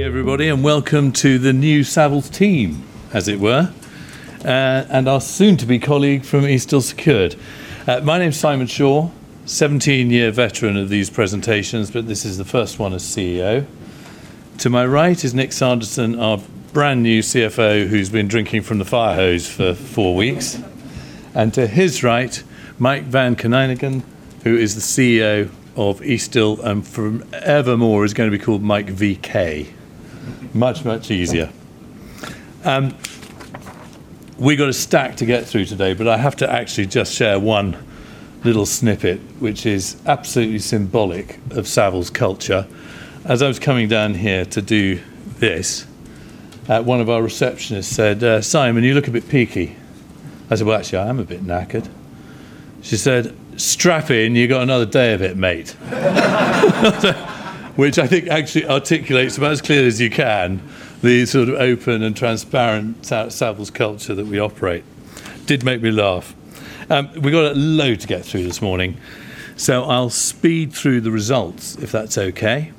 Good evening, everybody, and welcome to the new Savills team, as it were, and our soon-to-be colleague from Eastdil Secured. My name's Simon Shaw, 17-year veteran of these presentations, but this is the first one as CEO. To my right is Nick Sanderson, our brand new CFO, who's been drinking from the fire hose for four weeks. To his right, Mike Van Konynenburg, who is the CEO of Eastdil, and from evermore is gonna be called Mike VK. Much, much easier. We got a stack to get through today, but I have to actually just share one little snippet, which is absolutely symbolic of Savills culture. As I was coming down here to do this, one of our receptionists said, "Simon, you look a bit peaky." I said, "Well, actually, I am a bit knackered." She said, "Strap in. You got another day of it, mate." Which I think actually articulates about as clearly as you can the sort of open and transparent Savills culture that we operate. Did make me laugh. We got a load to get through this morning, so I'll speed through the results if that's okay.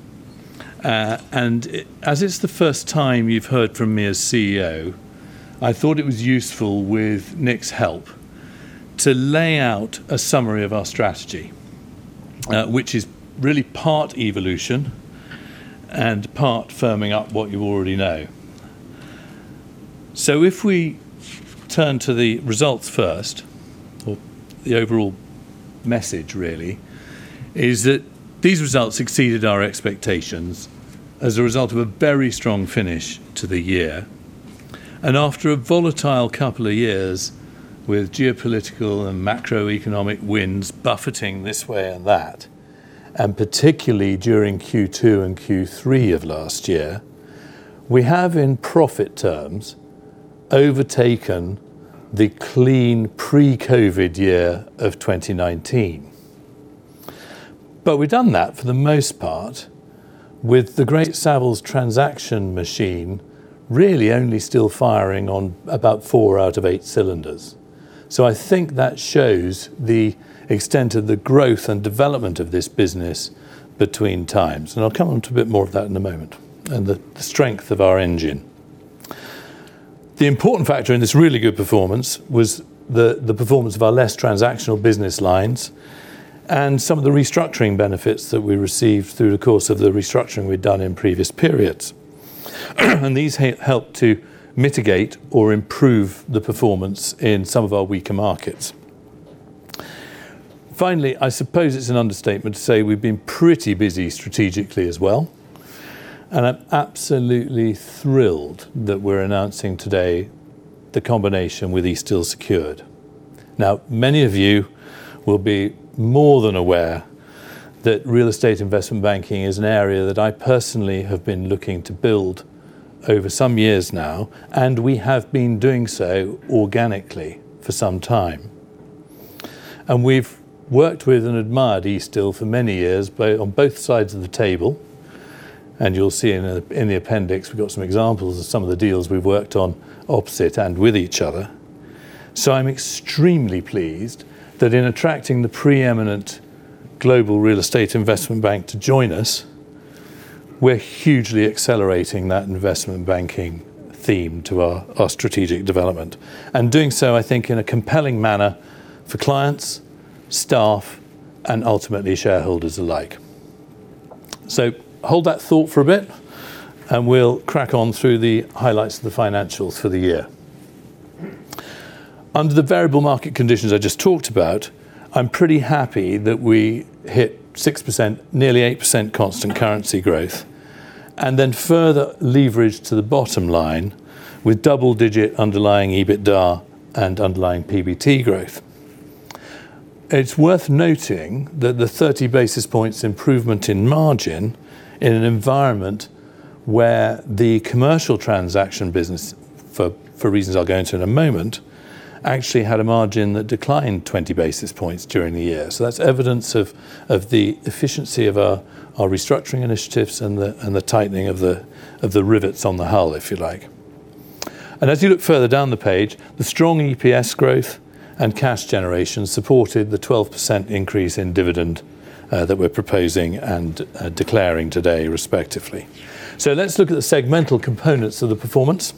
It, as it's the first time you've heard from me as CEO, I thought it was useful, with Nick's help, to lay out a summary of our strategy, which is really part evolution and part firming up what you already know. If we turn to the results first, or the overall message really, is that these results exceeded our expectations as a result of a very strong finish to the year. After a volatile couple of years with geopolitical and macroeconomic winds buffeting this way and that, and particularly during Q2 and Q3 of last year, we have, in profit terms, overtaken the clean pre-COVID year of 2019. We've done that, for the most part, with the great Savills transaction machine really only still firing on about 4 out of 8 cylinders. I think that shows the extent of the growth and development of this business between times, and I'll come onto a bit more of that in a moment, and the strength of our engine. The important factor in this really good performance was the performance of our less transactional business lines and some of the restructuring benefits that we received through the course of the restructuring we'd done in previous periods. These helped to mitigate or improve the performance in some of our weaker markets. Finally, I suppose it's an understatement to say we've been pretty busy strategically as well, and I'm absolutely thrilled that we're announcing today the combination with Eastdil Secured. Now, many of you will be more than aware that real estate investment banking is an area that I personally have been looking to build over some years now, and we have been doing so organically for some time. We've worked with and admired Eastdil for many years on both sides of the table, and you'll see in the appendix we've got some examples of some of the deals we've worked on opposite and with each other. I'm extremely pleased that in attracting the preeminent global real estate investment bank to join us, we're hugely accelerating that investment banking theme to our strategic development. Doing so, I think, in a compelling manner for clients, staff, and ultimately shareholders alike. Hold that thought for a bit, and we'll crack on through the highlights of the financials for the year. Under the variable market conditions I just talked about, I'm pretty happy that we hit 6%, nearly 8% constant currency growth, and then further leverage to the bottom line with double-digit underlying EBITDA and underlying PBT growth. It's worth noting that the 30 basis points improvement in margin in an environment where the commercial transaction business, for reasons I'll go into in a moment, actually had a margin that declined 20 basis points during the year. That's evidence of the efficiency of our restructuring initiatives and the tightening of the rivets on the hull, if you like. As you look further down the page, the strong EPS growth and cash generation supported the 12% increase in dividend that we're proposing and declaring today respectively. Let's look at the segmental components of the performance.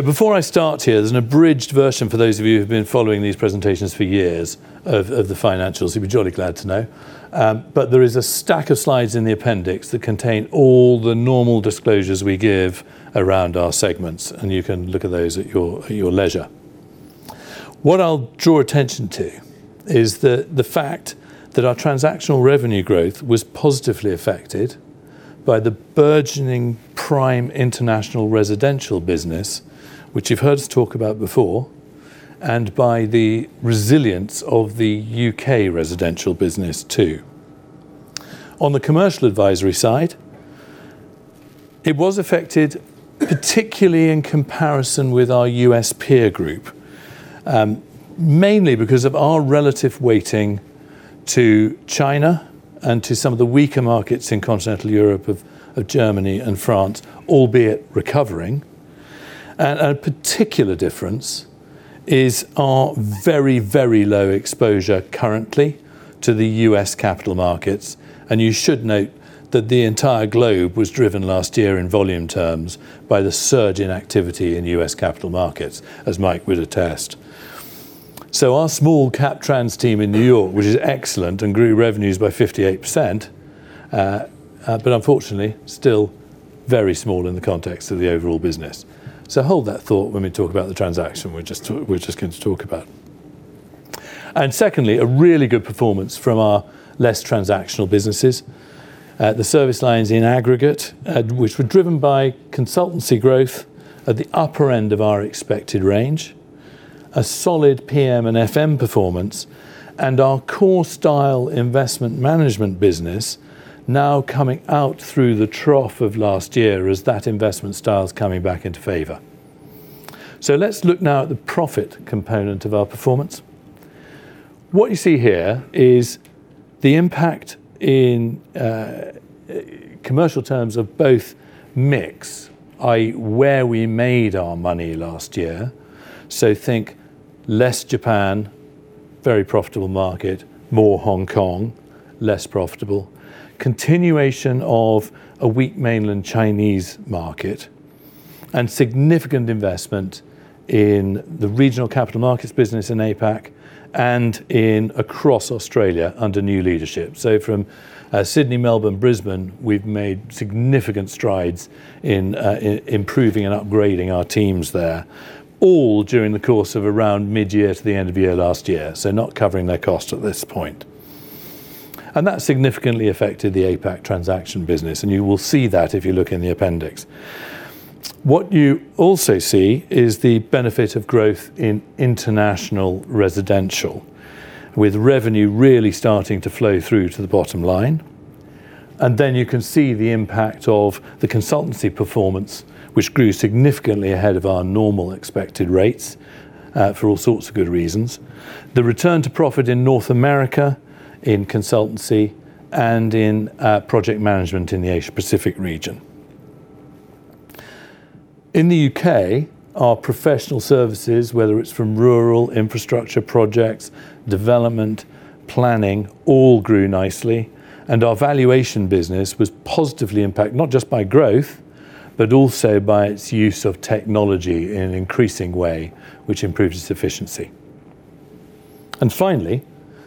Before I start here, there's an abridged version for those of you who've been following these presentations for years of the financials. You'll be jolly glad to know. But there is a stack of slides in the appendix that contain all the normal disclosures we give around our segments, and you can look at those at your leisure. What I'll draw attention to is the fact that our transactional revenue growth was positively affected by the burgeoning prime international residential business, which you've heard us talk about before, and by the resilience of the U.K. residential business too. On the commercial advisory side, it was affected particularly in comparison with our U.S. peer group, mainly because of our relative weighting to China and to some of the weaker markets in continental Europe of Germany and France, albeit recovering. A particular difference is our very, very low exposure currently to the U.S. capital markets. You should note that the entire globe was driven last year in volume terms by the surge in activity in U.S. capital markets, as Mike would attest. Our small cap trans team in New York, which is excellent and grew revenues by 58%, but unfortunately, still very small in the context of the overall business. Hold that thought when we talk about the transaction we're just going to talk about. Secondly, a really good performance from our less transactional businesses. The service lines in aggregate, which were driven by consultancy growth at the upper end of our expected range. A solid PM and FM performance and our core style investment management business now coming out through the trough of last year as that investment style is coming back into favor. Let's look now at the profit component of our performance. What you see here is the impact in commercial terms of both mix, i.e., where we made our money last year. Think less Japan, very profitable market, more Hong Kong, less profitable. Continuation of a weak mainland Chinese market and significant investment in the regional capital markets business in APAC and across Australia under new leadership. From Sydney, Melbourne, Brisbane, we've made significant strides in improving and upgrading our teams there, all during the course of around mid-year to the end of year last year. Not covering their cost at this point. That significantly affected the APAC transaction business, and you will see that if you look in the appendix. What you also see is the benefit of growth in international residential, with revenue really starting to flow through to the bottom line. Then you can see the impact of the consultancy performance, which grew significantly ahead of our normal expected rates, for all sorts of good reasons. The return to profit in North America, in consultancy, and in project management in the Asia Pacific region. In the UK, our professional services, whether it's from rural infrastructure projects, development, planning, all grew nicely, and our valuation business was positively impacted, not just by growth, but also by its use of technology in an increasing way which improves efficiency. Finally,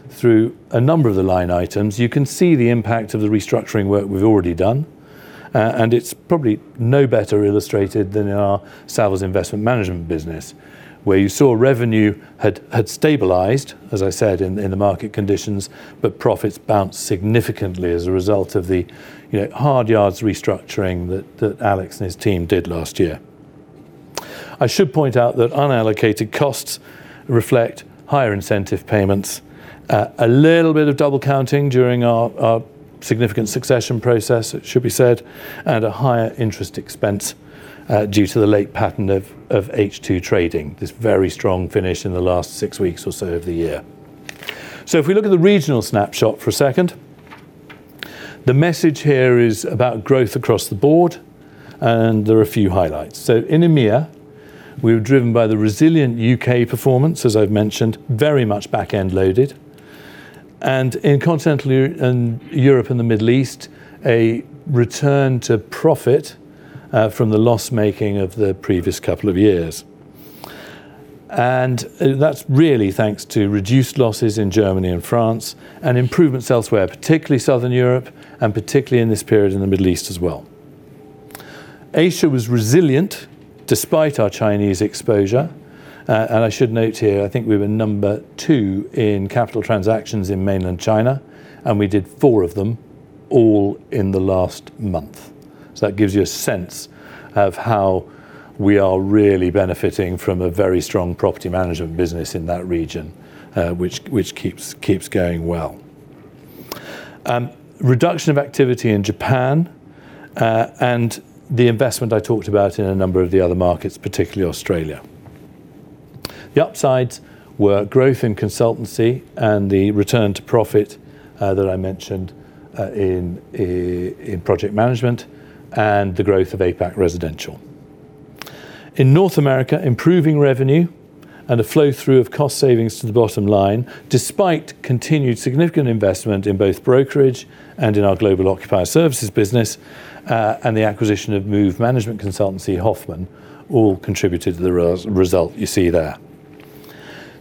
through a number of the line items, you can see the impact of the restructuring work we've already done. It's probably no better illustrated than in our Savills Investment Management business, where you saw revenue had stabilized, as I said, in the market conditions, but profits bounced significantly as a result of the, you know, hard yards restructuring that Alex Jeffrey and his team did last year. I should point out that unallocated costs reflect higher incentive payments. A little bit of double counting during our significant succession process, it should be said, at a higher interest expense, due to the late pattern of H2 trading, this very strong finish in the last six weeks or so of the year. If we look at the regional snapshot for a second, the message here is about growth across the board, and there are a few highlights. In EMEA, we were driven by the resilient UK performance, as I've mentioned, very much back-end loaded. In Continental Europe and the Middle East, a return to profit, from the loss-making of the previous couple of years. That's really thanks to reduced losses in Germany and France and improvements elsewhere, particularly Southern Europe, and particularly in this period in the Middle East as well. Asia was resilient despite our Chinese exposure. I should note here, I think we were number two in Capital Transactions in mainland China, and we did 4 of them all in the last month. That gives you a sense of how we are really benefiting from a very strong property management business in that region, which keeps going well. Reduction of activity in Japan, and the investment I talked about in a number of the other markets, particularly Australia. The upsides were growth in consultancy and the return to profit that I mentioned in project management and the growth of APAC residential. In North America, improving revenue and a flow through of cost savings to the bottom line, despite continued significant investment in both brokerage and in our global occupier services business, and the acquisition of Move Management Consultancy, Hoffman all contributed to the result you see there.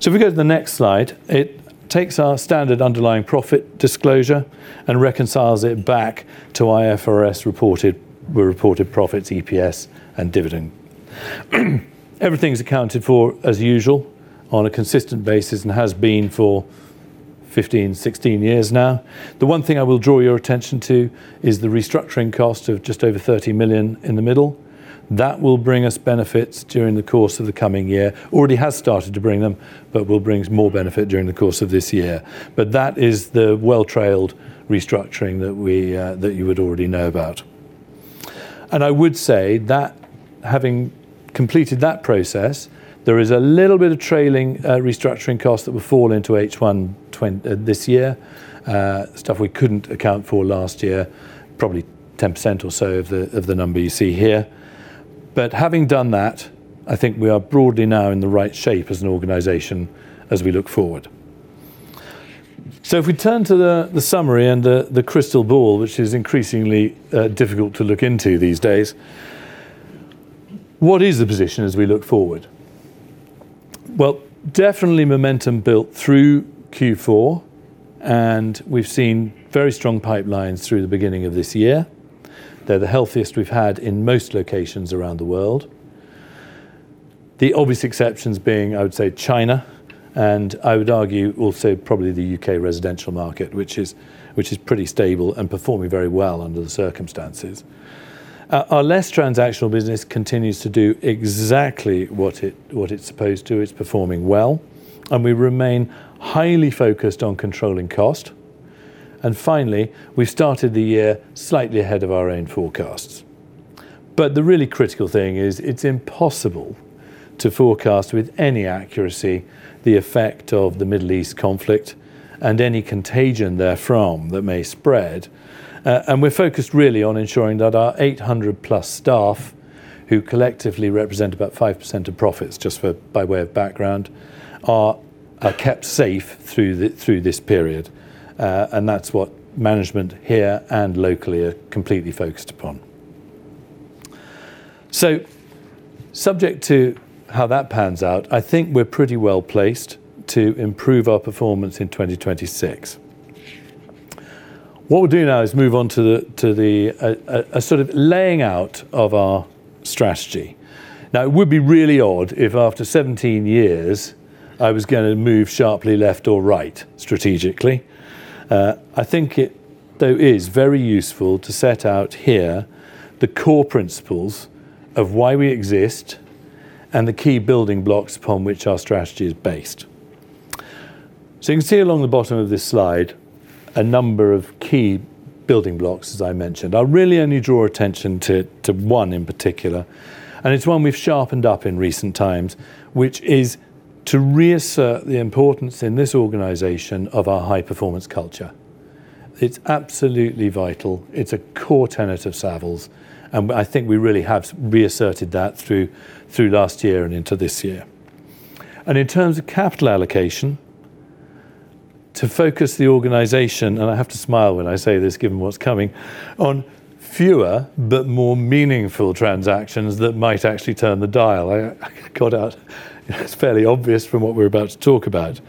If we go to the next slide, it takes our standard underlying profit disclosure and reconciles it back to IFRS reported. We reported profits, EPS, and dividend. Everything is accounted for as usual on a consistent basis and has been for 15, 16 years now. The one thing I will draw your attention to is the restructuring cost of just over 30 million in the middle. That will bring us benefits during the course of the coming year. Already has started to bring them, but will bring more benefit during the course of this year. That is the well trailed restructuring that we, that you would already know about. I would say that having completed that process, there is a little bit of trailing restructuring costs that will fall into H1 this year. Stuff we couldn't account for last year, probably 10% or so of the number you see here. Having done that, I think we are broadly now in the right shape as an organization as we look forward. If we turn to the summary and the crystal ball, which is increasingly difficult to look into these days, what is the position as we look forward? Well, definitely momentum built through Q4, and we've seen very strong pipelines through the beginning of this year. They're the healthiest we've had in most locations around the world. The obvious exceptions being, I would say, China, and I would argue also probably the U.K. residential market, which is pretty stable and performing very well under the circumstances. Our less transactional business continues to do exactly what it's supposed to. It's performing well, and we remain highly focused on controlling cost. Finally, we started the year slightly ahead of our own forecasts. The really critical thing is it's impossible to forecast with any accuracy the effect of the Middle East conflict and any contagion therefrom that may spread. We're focused really on ensuring that our 800+ staff, who collectively represent about 5% of profits just by way of background, are kept safe through this period. That's what management here and locally are completely focused upon. Subject to how that pans out, I think we're pretty well placed to improve our performance in 2026. What we'll do now is move on to the, a sort of laying out of our strategy. Now, it would be really odd if after 17 years I was going to move sharply left or right strategically. I think it though is very useful to set out here the core principles of why we exist and the key building blocks upon which our strategy is based. You can see along the bottom of this slide a number of key building blocks, as I mentioned. I'll really only draw attention to one in particular, and it's one we've sharpened up in recent times, which is to reassert the importance in this organization of our high-performance culture. It's absolutely vital. It's a core tenet of Savills, and I think we really have reasserted that through last year and into this year. In terms of capital allocation, to focus the organization, and I have to smile when I say this given what's coming, on fewer but more meaningful transactions that might actually turn the dial. It's fairly obvious from what we're about to talk about,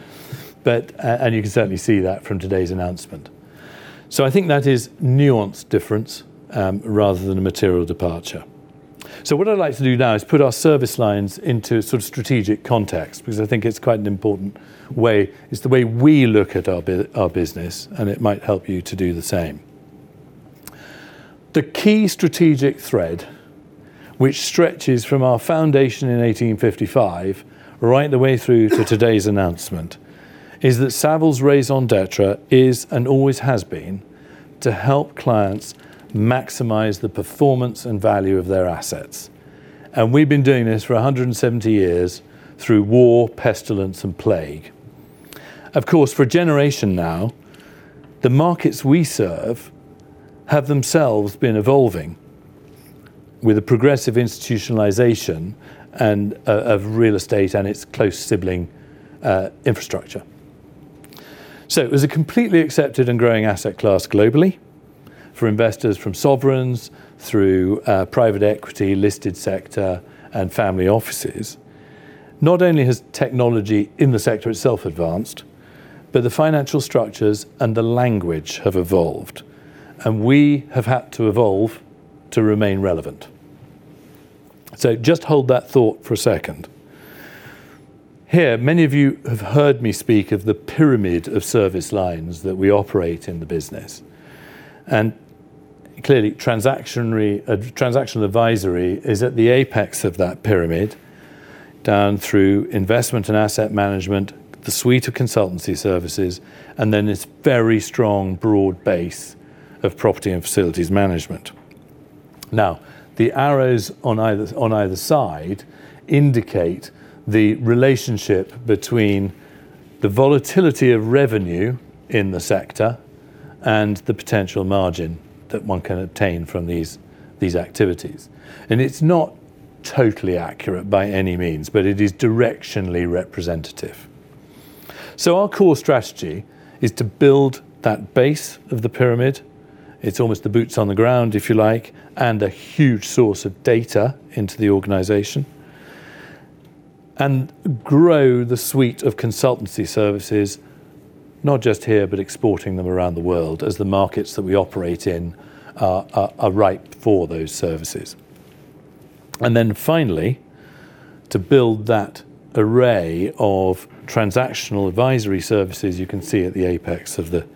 but, and you can certainly see that from today's announcement. I think that is nuanced difference rather than a material departure. What I'd like to do now is put our service lines into sort of strategic context because I think it's quite an important way. It's the way we look at our business, and it might help you to do the same. The key strategic thread which stretches from our foundation in 1855 right the way through to today's announcement is that Savills raison d'être is and always has been to help clients maximize the performance and value of their assets. We've been doing this for 170 years through war, pestilence, and plague. Of course, for a generation now, the markets we serve have themselves been evolving with a progressive institutionalization and, of real estate and its close sibling, infrastructure. It was a completely accepted and growing asset class globally for investors from sovereigns through private equity, listed sector, and family offices. Not only has technology in the sector itself advanced, but the financial structures and the language have evolved, and we have had to evolve to remain relevant. Just hold that thought for a second. Here, many of you have heard me speak of the pyramid of service lines that we operate in the business. Clearly, transactional advisory is at the apex of that pyramid down through investment and asset management, the suite of consultancy services, and then its very strong broad base of property and facilities management. Now, the arrows on either side indicate the relationship between the volatility of revenue in the sector and the potential margin that one can obtain from these activities. It's not totally accurate by any means, but it is directionally representative. Our core strategy is to build that base of the pyramid. It's almost the boots on the ground, if you like, and a huge source of data into the organization. Grow the suite of consultancy services, not just here, but exporting them around the world as the markets that we operate in are ripe for those services. Finally, to build that array of transactional advisory services you can see at the apex of the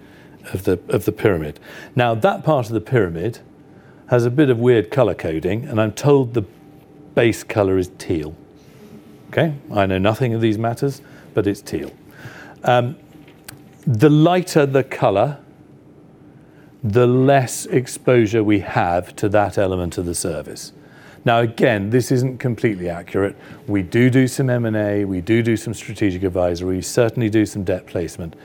pyramid. Now, that part of the pyramid has a bit of weird color coding, and I'm told the base color is teal. Okay? I know nothing of these matters, but it's teal. The lighter the color, the less exposure we have to that element of the service. Now, again, this isn't completely accurate. We do do some M&A. We do do some strategic advisory. We certainly do some debt placement.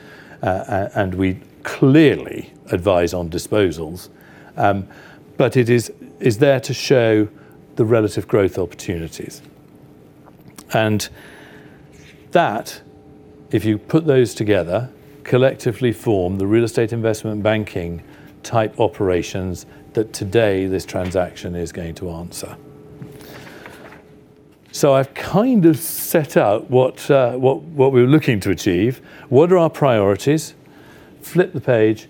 We clearly advise on disposals. It is there to show the relative growth opportunities. That, if you put those together, collectively form the real estate investment banking type operations that today this transaction is going to answer. I've kind of set out what we're looking to achieve. What are our priorities? Flip the page.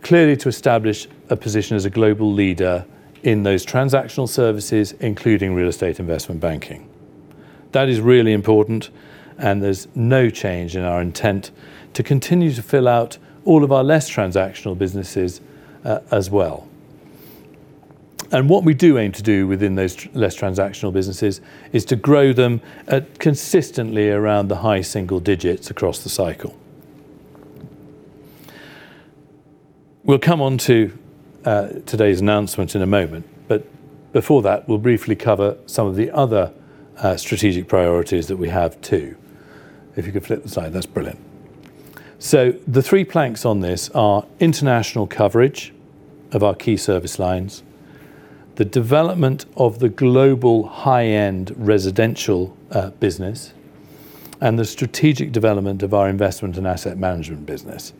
Clearly to establish a position as a global leader in those transactional services, including real estate investment banking. That is really important, and there's no change in our intent to continue to fill out all of our less transactional businesses, as well. What we do aim to do within those less transactional businesses is to grow them at consistently around the high single digits across the cycle. We'll come on to today's announcement in a moment, but before that, we'll briefly cover some of the other strategic priorities that we have too. If you could flip the slide. That's brilliant. The three planks on this are international coverage of our key service lines, the development of the global high-end residential business, and the strategic development of our investment and asset management business.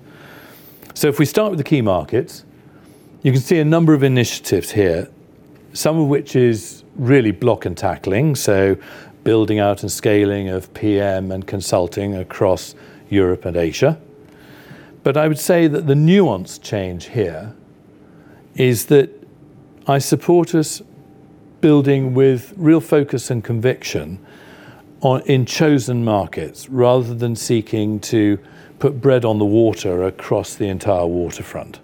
If we start with the key markets, you can see a number of initiatives here, some of which is really block and tackling, so building out and scaling of PM and consulting across Europe and Asia. I would say that the nuance change here is that I support us building with real focus and conviction on in chosen markets rather than seeking to put bread on the water across the entire waterfront.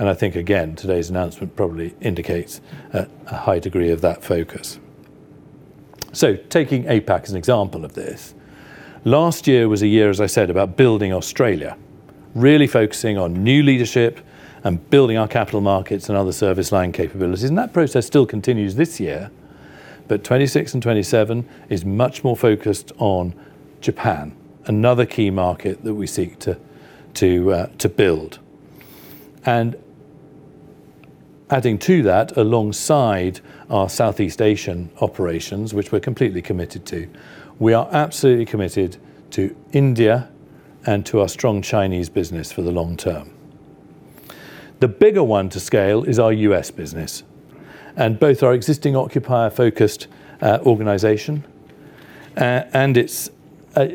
I think again, today's announcement probably indicates a high degree of that focus. Taking APAC as an example of this, last year was a year, as I said, about building Australia, really focusing on new leadership and building our capital markets and other service line capabilities. That process still continues this year, but 2026 and 2027 is much more focused on Japan, another key market that we seek to build. Adding to that, alongside our Southeast Asian operations, which we're completely committed to, we are absolutely committed to India and to our strong Chinese business for the long term. The bigger one to scale is our U.S. business and both our existing occupier-focused organization. It's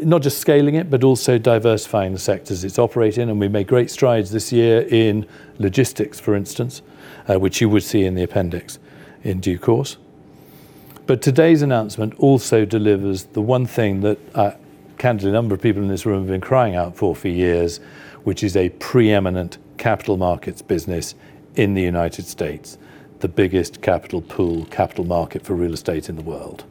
not just scaling it, but also diversifying the sectors it's operating in. We made great strides this year in logistics, for instance, which you will see in the appendix in due course. Today's announcement also delivers the one thing that a candid number of people in this room have been crying out for for years, which is a preeminent capital markets business in the United States, the biggest capital pool, capital market for real estate in the world.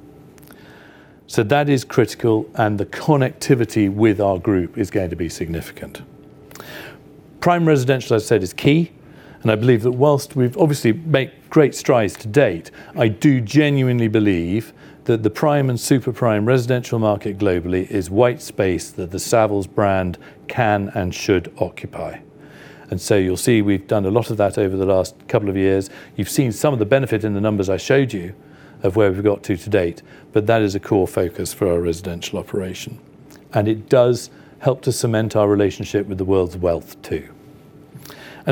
That is critical, and the connectivity with our group is going to be significant. Prime residential, I said, is key, and I believe that while we've obviously made great strides to date, I do genuinely believe that the prime and super prime residential market globally is white space that the Savills brand can and should occupy. You'll see we've done a lot of that over the last couple of years. You've seen some of the benefit in the numbers I showed you of where we've got to date. That is a core focus for our residential operation, and it does help to cement our relationship with the world's wealth too.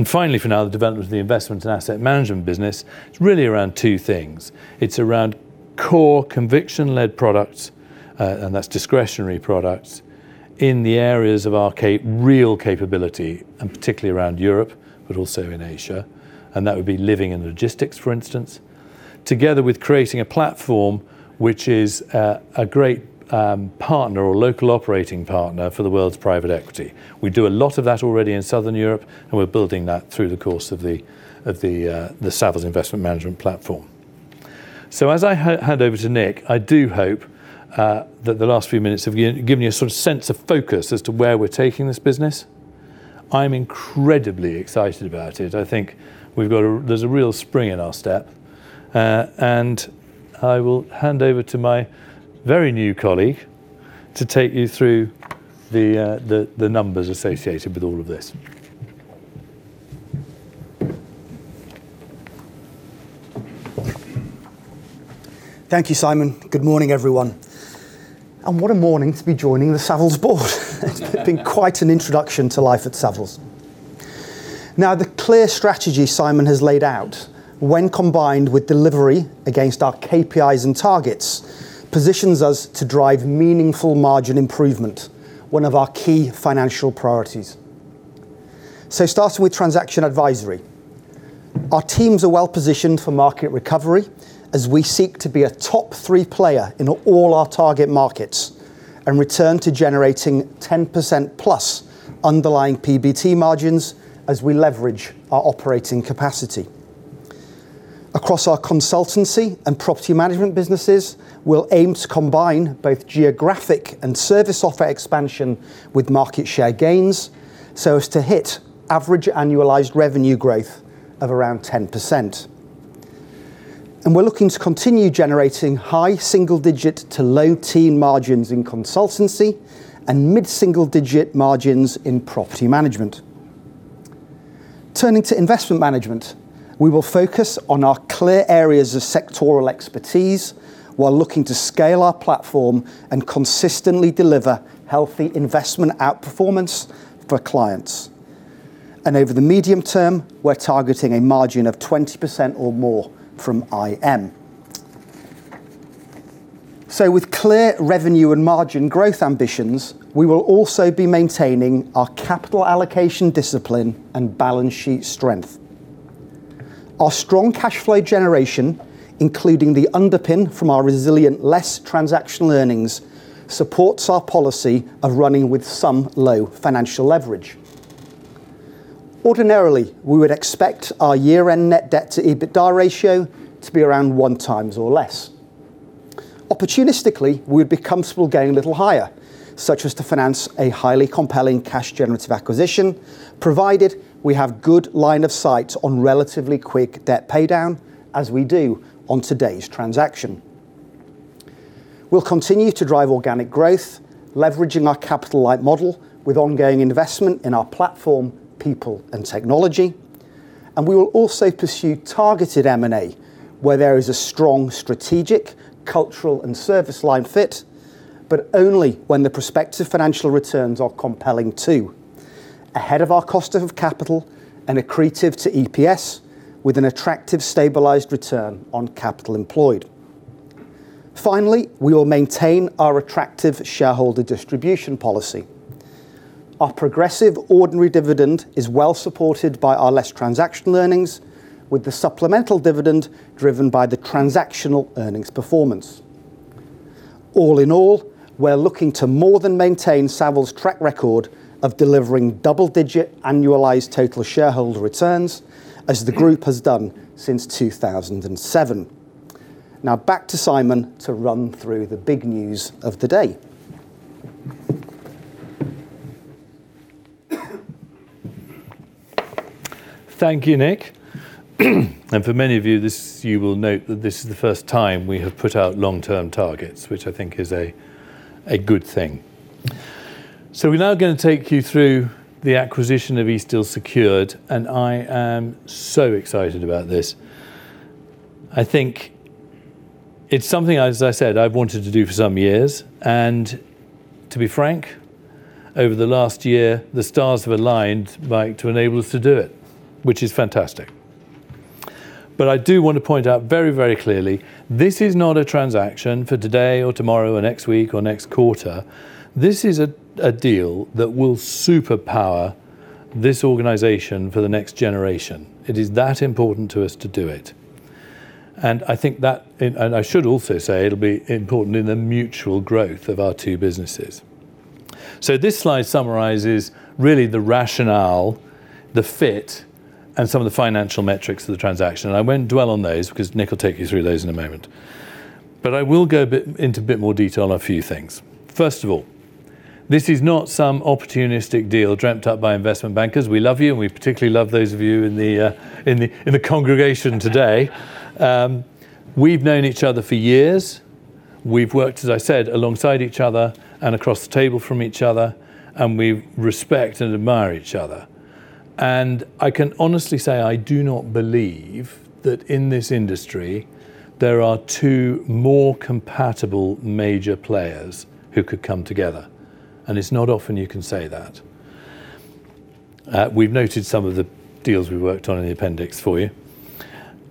Finally, for now, the development of the investment and asset management business, it's really around two things. It's around core conviction-led products, and that's discretionary products in the areas of our real capability, and particularly around Europe, but also in Asia. That would be living and logistics, for instance. Together with creating a platform which is a great partner or local operating partner for the world's private equity. We do a lot of that already in Southern Europe, and we're building that through the course of the Savills Investment Management platform. As I hand over to Nick, I do hope that the last few minutes have given you a sort of sense of focus as to where we're taking this business. I'm incredibly excited about it. I think there's a real spring in our step. I will hand over to my very new colleague to take you through the numbers associated with all of this. Thank you, Simon. Good morning, everyone. What a morning to be joining the Savills board. It's been quite an introduction to life at Savills. Now, the clear strategy Simon has laid out, when combined with delivery against our KPIs and targets, positions us to drive meaningful margin improvement, one of our key financial priorities. Starting with transaction advisory. Our teams are well positioned for market recovery as we seek to be a top three player in all our target markets and return to generating 10%+ underlying PBT margins as we leverage our operating capacity. Across our consultancy and property management businesses, we'll aim to combine both geographic and service offer expansion with market share gains so as to hit average annualized revenue growth of around 10%. We're looking to continue generating high single-digit to low teen margins in consultancy and mid-single-digit margins in property management. Turning to investment management, we will focus on our clear areas of sectoral expertise while looking to scale our platform and consistently deliver healthy investment outperformance for clients. Over the medium term, we're targeting a margin of 20% or more from IM. With clear revenue and margin growth ambitions, we will also be maintaining our capital allocation discipline and balance sheet strength. Our strong cash flow generation, including the underpin from our resilient less transactional earnings, supports our policy of running with some low financial leverage. Ordinarily, we would expect our year-end net debt to EBITDA ratio to be around 1x or less. Opportunistically, we'd be comfortable going a little higher, such as to finance a highly compelling cash generative acquisition, provided we have good line of sight on relatively quick debt paydown, as we do on today's transaction. We'll continue to drive organic growth, leveraging our capital-light model with ongoing investment in our platform, people and technology. We will also pursue targeted M&A where there is a strong strategic, cultural and service line fit, but only when the prospective financial returns are compelling too, ahead of our cost of capital and accretive to EPS with an attractive stabilized return on capital employed. Finally, we will maintain our attractive shareholder distribution policy. Our progressive ordinary dividend is well supported by our less transactional earnings, with the supplemental dividend driven by the transactional earnings performance. All in all, we're looking to more than maintain Savills' track record of delivering double-digit annualized total shareholder returns, as the group has done since 2007. Now back to Simon to run through the big news of the day. Thank you, Nick. For many of you, this, you will note that this is the first time we have put out long-term targets, which I think is a good thing. We're now gonna take you through the acquisition of Eastdil Secured, and I am so excited about this. I think it's something, as I said, I've wanted to do for some years. To be frank, over the last year, the stars have aligned, like, to enable us to do it, which is fantastic. I do want to point out very, very clearly, this is not a transaction for today or tomorrow or next week or next quarter. This is a deal that will superpower this organization for the next generation. It is that important to us to do it. I think that I should also say it'll be important in the mutual growth of our two businesses. This slide summarizes really the rationale, the fit, and some of the financial metrics of the transaction. I won't dwell on those because Nick will take you through those in a moment. I will go a bit into a bit more detail on a few things. First of all, this is not some opportunistic deal dreamt up by investment bankers. We love you, and we particularly love those of you in the congregation today. We've known each other for years. We've worked, as I said, alongside each other and across the table from each other, and we respect and admire each other. I can honestly say, I do not believe that in this industry, there are two more compatible major players who could come together. It's not often you can say that. We've noted some of the deals we've worked on in the appendix for you.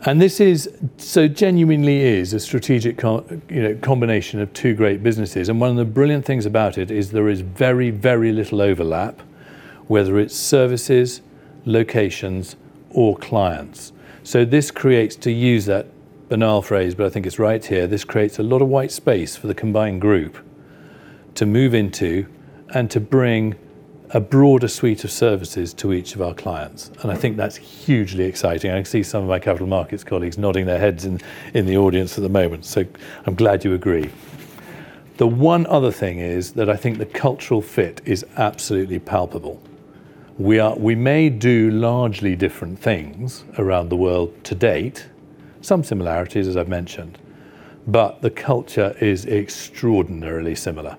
This is so genuinely a strategic, you know, combination of two great businesses. One of the brilliant things about it is there is very, very little overlap, whether it's services, locations, or clients. This creates, to use that banal phrase, but I think it's right here, this creates a lot of white space for the combined group to move into and to bring a broader suite of services to each of our clients. I think that's hugely exciting. I can see some of my capital markets colleagues nodding their heads in the audience at the moment. I'm glad you agree. The one other thing is that I think the cultural fit is absolutely palpable. We may do largely different things around the world to date. Some similarities, as I've mentioned. The culture is extraordinarily similar.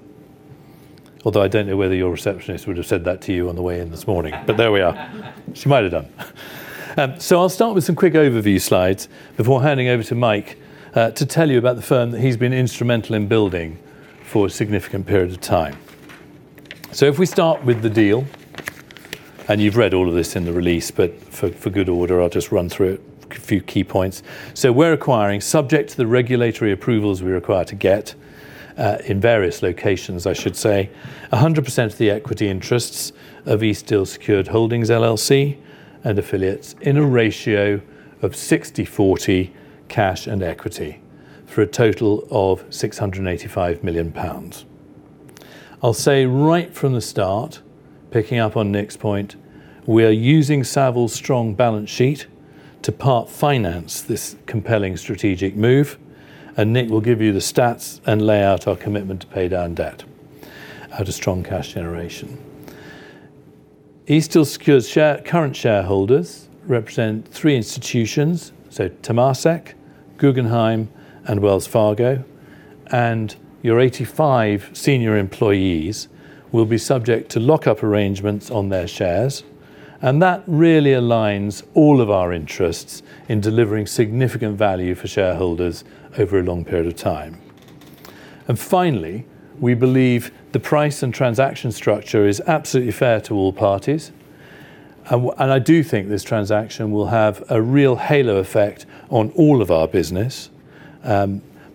Although I don't know whether your receptionist would have said that to you on the way in this morning. There we are. She might have done. I'll start with some quick overview slides before handing over to Mike to tell you about the firm that he's been instrumental in building for a significant period of time. If we start with the deal, and you've read all of this in the release, but for good order, I'll just run through a few key points. We're acquiring, subject to the regulatory approvals we require to get, in various locations, I should say, 100% of the equity interests of Eastdil Secured Holdings LLC and affiliates in a ratio of 60-40 cash and equity for a total of 685 million pounds. I'll say right from the start, picking up on Nick's point, we are using Savills' strong balance sheet to part-finance this compelling strategic move. Nick will give you the stats and lay out our commitment to pay down debt out of strong cash generation. Eastdil Secured's current shareholders represent three institutions, so Temasek, Guggenheim, and Wells Fargo. Our 85 senior employees will be subject to lockup arrangements on their shares. That really aligns all of our interests in delivering significant value for shareholders over a long period of time. Finally, we believe the price and transaction structure is absolutely fair to all parties. I do think this transaction will have a real halo effect on all of our business.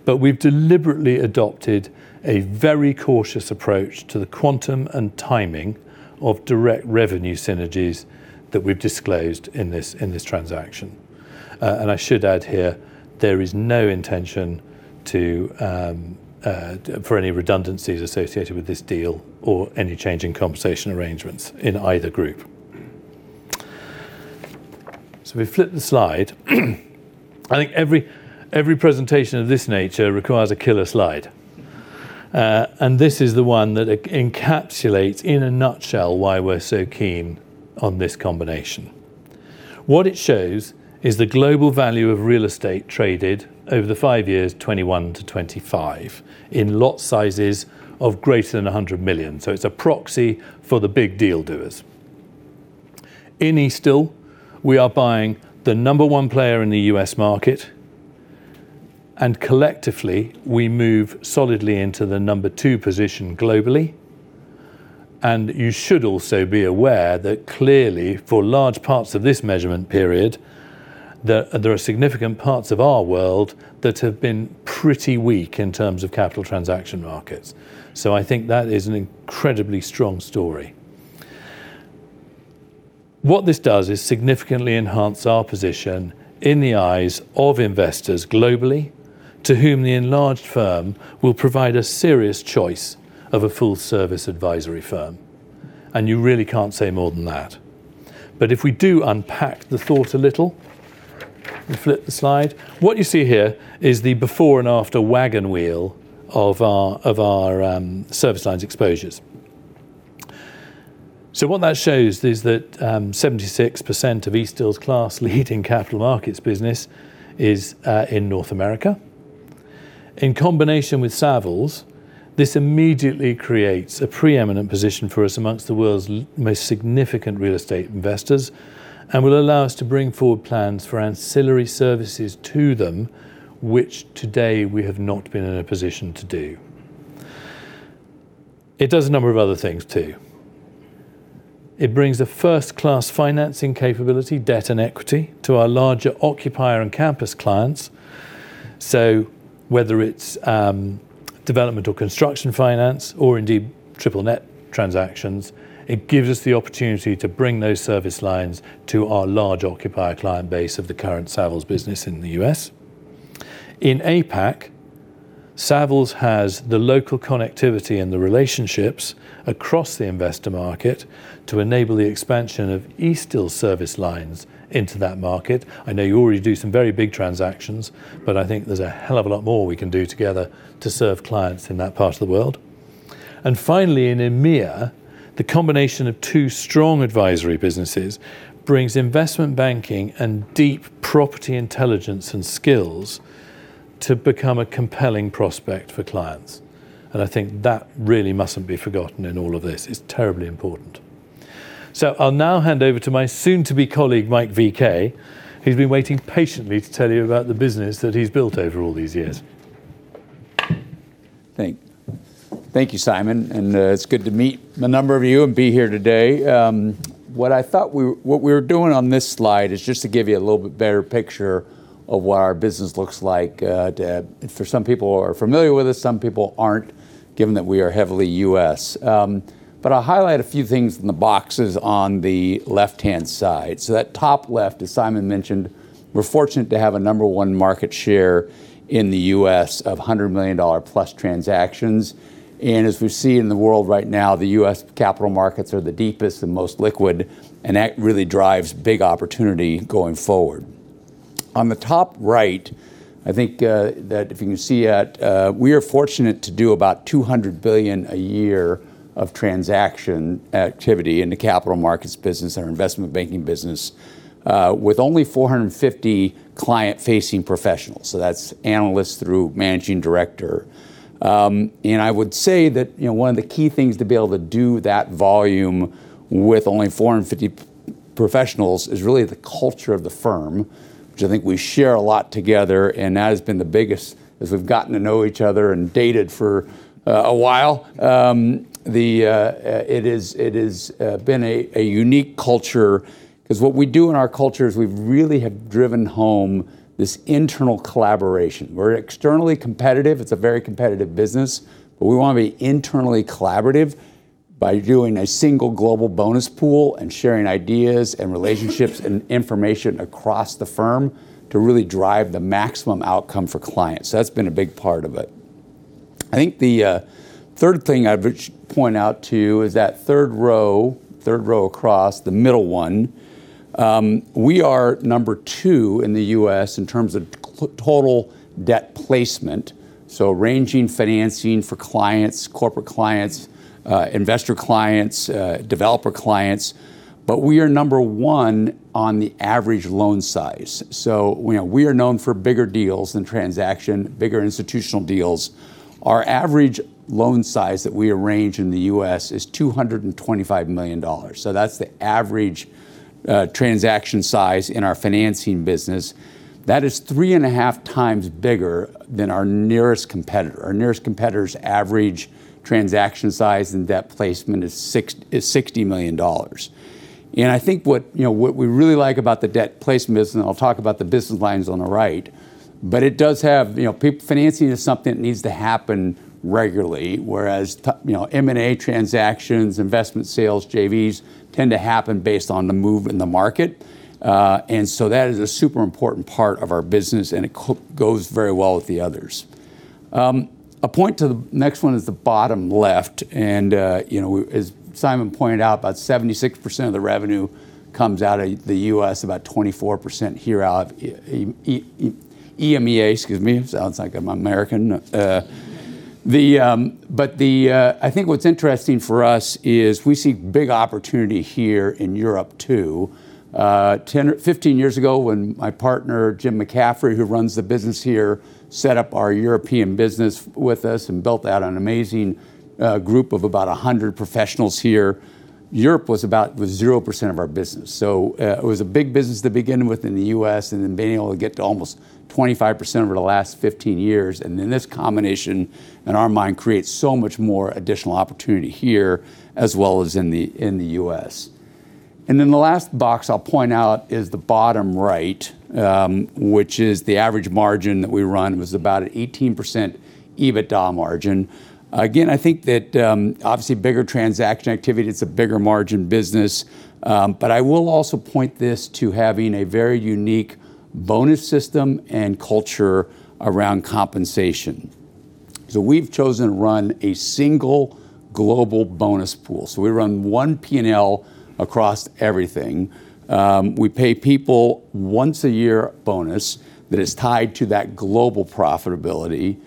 We've deliberately adopted a very cautious approach to the quantum and timing of direct revenue synergies that we've disclosed in this transaction. I should add here, there is no intention for any redundancies associated with this deal or any change in compensation arrangements in either group. We flip the slide. I think every presentation of this nature requires a killer slide. This is the one that encapsulates in a nutshell why we're so keen on this combination. What it shows is the global value of real estate traded over the five years, 2021-2025, in lot sizes of greater than 100 million. It's a proxy for the big deal doers. In Eastdil, we are buying the number one player in the U.S. market. Collectively, we move solidly into the number two position globally. You should also be aware that clearly for large parts of this measurement period, there are significant parts of our world that have been pretty weak in terms of Capital Transactions markets. I think that is an incredibly strong story. What this does is significantly enhance our position in the eyes of investors globally to whom the enlarged firm will provide a serious choice of a full-service advisory firm. You really can't say more than that. If we do unpack the thought a little and flip the slide, what you see here is the before and after wagon wheel of our service lines exposures. What that shows is that 76% of Eastdil's class leading capital markets business is in North America. In combination with Savills, this immediately creates a preeminent position for us amongst the world's most significant real estate investors and will allow us to bring forward plans for ancillary services to them, which today we have not been in a position to do. It does a number of other things too. It brings a first-class financing capability, debt, and equity to our larger occupier and campus clients. Whether it's development or construction finance or indeed triple net transactions, it gives us the opportunity to bring those service lines to our large occupier client base of the current Savills business in the US. In APAC, Savills has the local connectivity and the relationships across the investor market to enable the expansion of Eastdil service lines into that market. I know you already do some very big transactions, but I think there's a hell of a lot more we can do together to serve clients in that part of the world. Finally, in EMEA, the combination of two strong advisory businesses brings investment banking and deep property intelligence and skills to become a compelling prospect for clients. I think that really mustn't be forgotten in all of this. It's terribly important. I'll now hand over to my soon-to-be colleague, Mike VK. He's been waiting patiently to tell you about the business that he's built over all these years. Thank you, Simon. It's good to meet a number of you and be here today. What we were doing on this slide is just to give you a little bit better picture of what our business looks like, for some people who are familiar with us, some people aren't, given that we are heavily U.S. I'll highlight a few things in the boxes on the left-hand side. That top left, as Simon mentioned, we're fortunate to have a number one market share in the U.S. of $100 million+ transactions. As we see in the world right now, the U.S. capital markets are the deepest and most liquid, and that really drives big opportunity going forward. On the top right, I think that if you can see that, we are fortunate to do about 200 billion a year of transaction activity in the capital markets business and our investment banking business, with only 450 client-facing professionals. That's analysts through Managing Director. I would say that, you know, one of the key things to be able to do that volume with only 450 professionals is really the culture of the firm, which I think we share a lot together, and that has been the biggest as we've gotten to know each other and dated for a while. It has been a unique culture because what we do in our culture is we really have driven home this internal collaboration. We're externally competitive. It's a very competitive business, but we want to be internally collaborative by doing a single global bonus pool and sharing ideas and relationships and information across the firm to really drive the maximum outcome for clients. That's been a big part of it. I think the third thing I would point out to you is that third row across, the middle one. We are number 2 in the U.S. in terms of total debt placement, so arranging financing for clients, corporate clients, investor clients, developer clients. But we are number 1 on the average loan size. You know, we are known for bigger deals in transaction, bigger institutional deals. Our average loan size that we arrange in the U.S. is $225 million. That's the average transaction size in our financing business. That is three and a half times bigger than our nearest competitor. Our nearest competitor's average transaction size in debt placement is $60 million. I think what you know what we really like about the debt placement business, and I'll talk about the business lines on the right, but it does have you know financing is something that needs to happen regularly, whereas you know M&A transactions, investment sales, JVs tend to happen based on the move in the market. That is a super important part of our business, and it goes very well with the others. I'll point to the next one is the bottom left. You know, as Simon pointed out, about 76% of the revenue comes out of the US, about 24% here out of EMEA, excuse me. Sounds like I'm American. I think what's interesting for us is we see big opportunity here in Europe too. 10 or 15 years ago, when my partner, Roy Hilton March, who runs the business here, set up our European business with us and built out an amazing group of about 100 professionals here, Europe was 0% of our business. It was a big business to begin with in the US, and then being able to get to almost 25% over the last 15 years. This combination, in our mind, creates so much more additional opportunity here as well as in the US. The last box I'll point out is the bottom right, which is the average margin that we run was about 18% EBITDA margin. Again, I think that obviously, bigger transaction activity, it's a bigger margin business. I will also point this to having a very unique bonus system and culture around compensation. We've chosen to run a single global bonus pool. We run one P&L across everything. We pay people once-a-year bonus that is tied to that global profitability.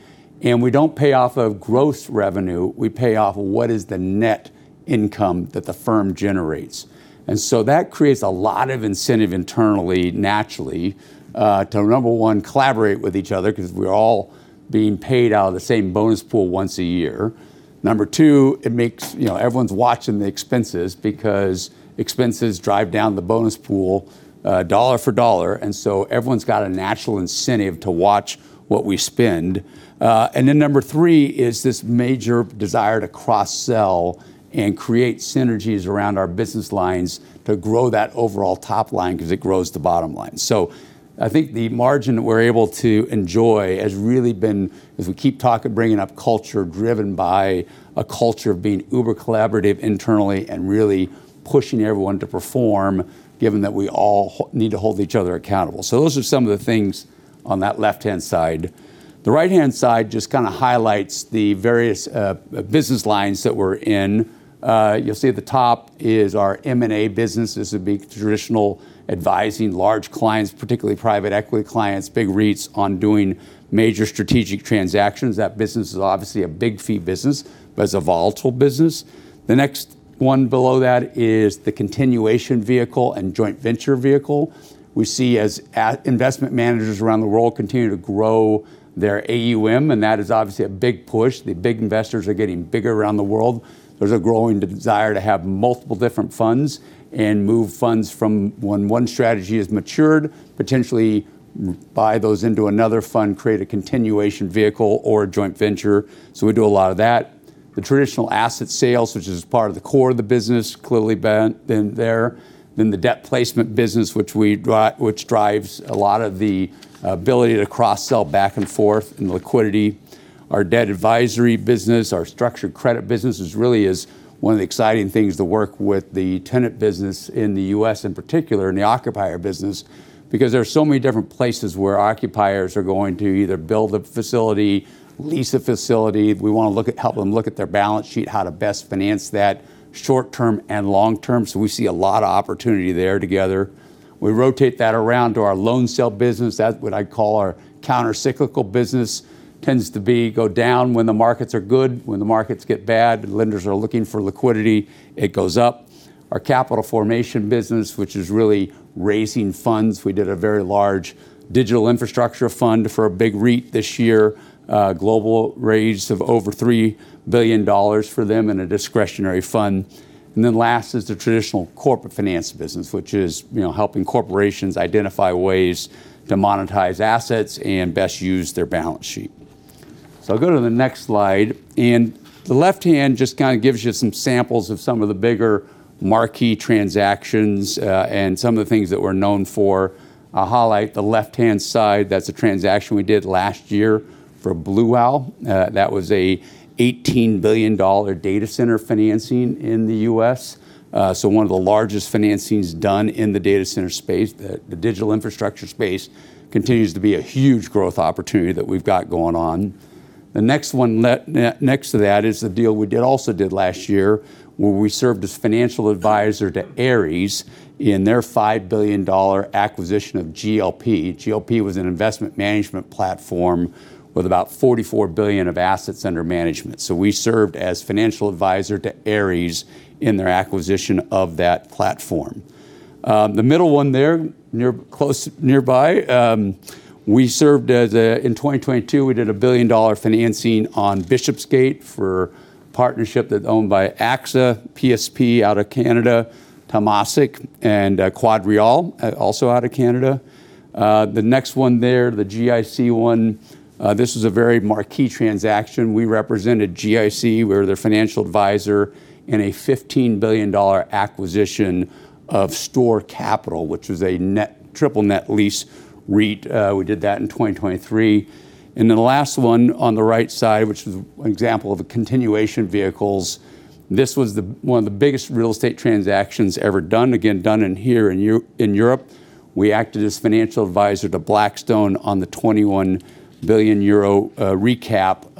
We don't pay off of gross revenue, we pay off what is the net income that the firm generates. That creates a lot of incentive internally, naturally, to, number one, collaborate with each other because we're all being paid out of the same bonus pool once a year. Number two, it makes, you know, everyone's watching the expenses because expenses drive down the bonus pool, dollar for dollar. Everyone's got a natural incentive to watch what we spend. Number three is this major desire to cross-sell and create synergies around our business lines to grow that overall top line because it grows the bottom line. I think the margin that we're able to enjoy has really been, as we keep bringing up culture, driven by a culture of being uber collaborative internally and really pushing everyone to perform, given that we all need to hold each other accountable. Those are some of the things on that left-hand side. The right-hand side just kinda highlights the various business lines that we're in. You'll see at the top is our M&A business. This would be traditional advising large clients, particularly private equity clients, big REITs on doing major strategic transactions. That business is obviously a big fee business but is a volatile business. The next one below that is the continuation vehicle and joint venture vehicle. We see as investment managers around the world continue to grow their AUM, and that is obviously a big push. The big investors are getting bigger around the world. There's a growing desire to have multiple different funds and move funds from when one strategy is matured, potentially buy those into another fund, create a continuation vehicle or a joint venture. We do a lot of that. The traditional asset sales, which is part of the core of the business, clearly been there. The debt placement business, which drives a lot of the ability to cross-sell back and forth and liquidity. Our debt advisory business, our structured credit business is really one of the exciting things to work with the tenant business in the U.S. in particular, and the occupier business, because there are so many different places where occupiers are going to either build a facility, lease a facility. We wanna look at, help them look at their balance sheet, how to best finance that short term and long term. We see a lot of opportunity there together. We rotate that around to our loan sale business. That's what I'd call our countercyclical business. It tends to go down when the markets are good. When the markets get bad, lenders are looking for liquidity, it goes up. Our capital formation business, which is really raising funds. We did a very large digital infrastructure fund for a big REIT this year. Global raise of over $3 billion for them in a discretionary fund. Then last is the traditional corporate finance business, which is, you know, helping corporations identify ways to monetize assets and best use their balance sheet. I'll go to the next slide. The left hand just kind of gives you some samples of some of the bigger marquee transactions, and some of the things that we're known for. I'll highlight the left-hand side. That's a transaction we did last year for Blue Owl. That was a $18 billion data center financing in the U.S. One of the largest financings done in the data center space. The digital infrastructure space continues to be a huge growth opportunity that we've got going on. The next one next to that is the deal we also did last year where we served as financial advisor to Ares in their $5 billion acquisition of GLP. GLP was an investment management platform with about 44 billion of assets under management. We served as financial advisor to Ares in their acquisition of that platform. The middle one there near close nearby, in 2022, we did a $1 billion financing on Bishopsgate for a partnership that's owned by AXA, PSP out of Canada, Temasek and QuadReal also out of Canada. The next one there, the GIC one, this is a very marquee transaction. We represented GIC. We're their financial advisor in a $15 billion acquisition of STORE Capital, which is a triple net lease REIT. We did that in 2023. The last one on the right side, which is an example of a continuation vehicle, this was one of the biggest real estate transactions ever done, again, done here in Europe. We acted as financial advisor to Blackstone on the 21 billion euro recap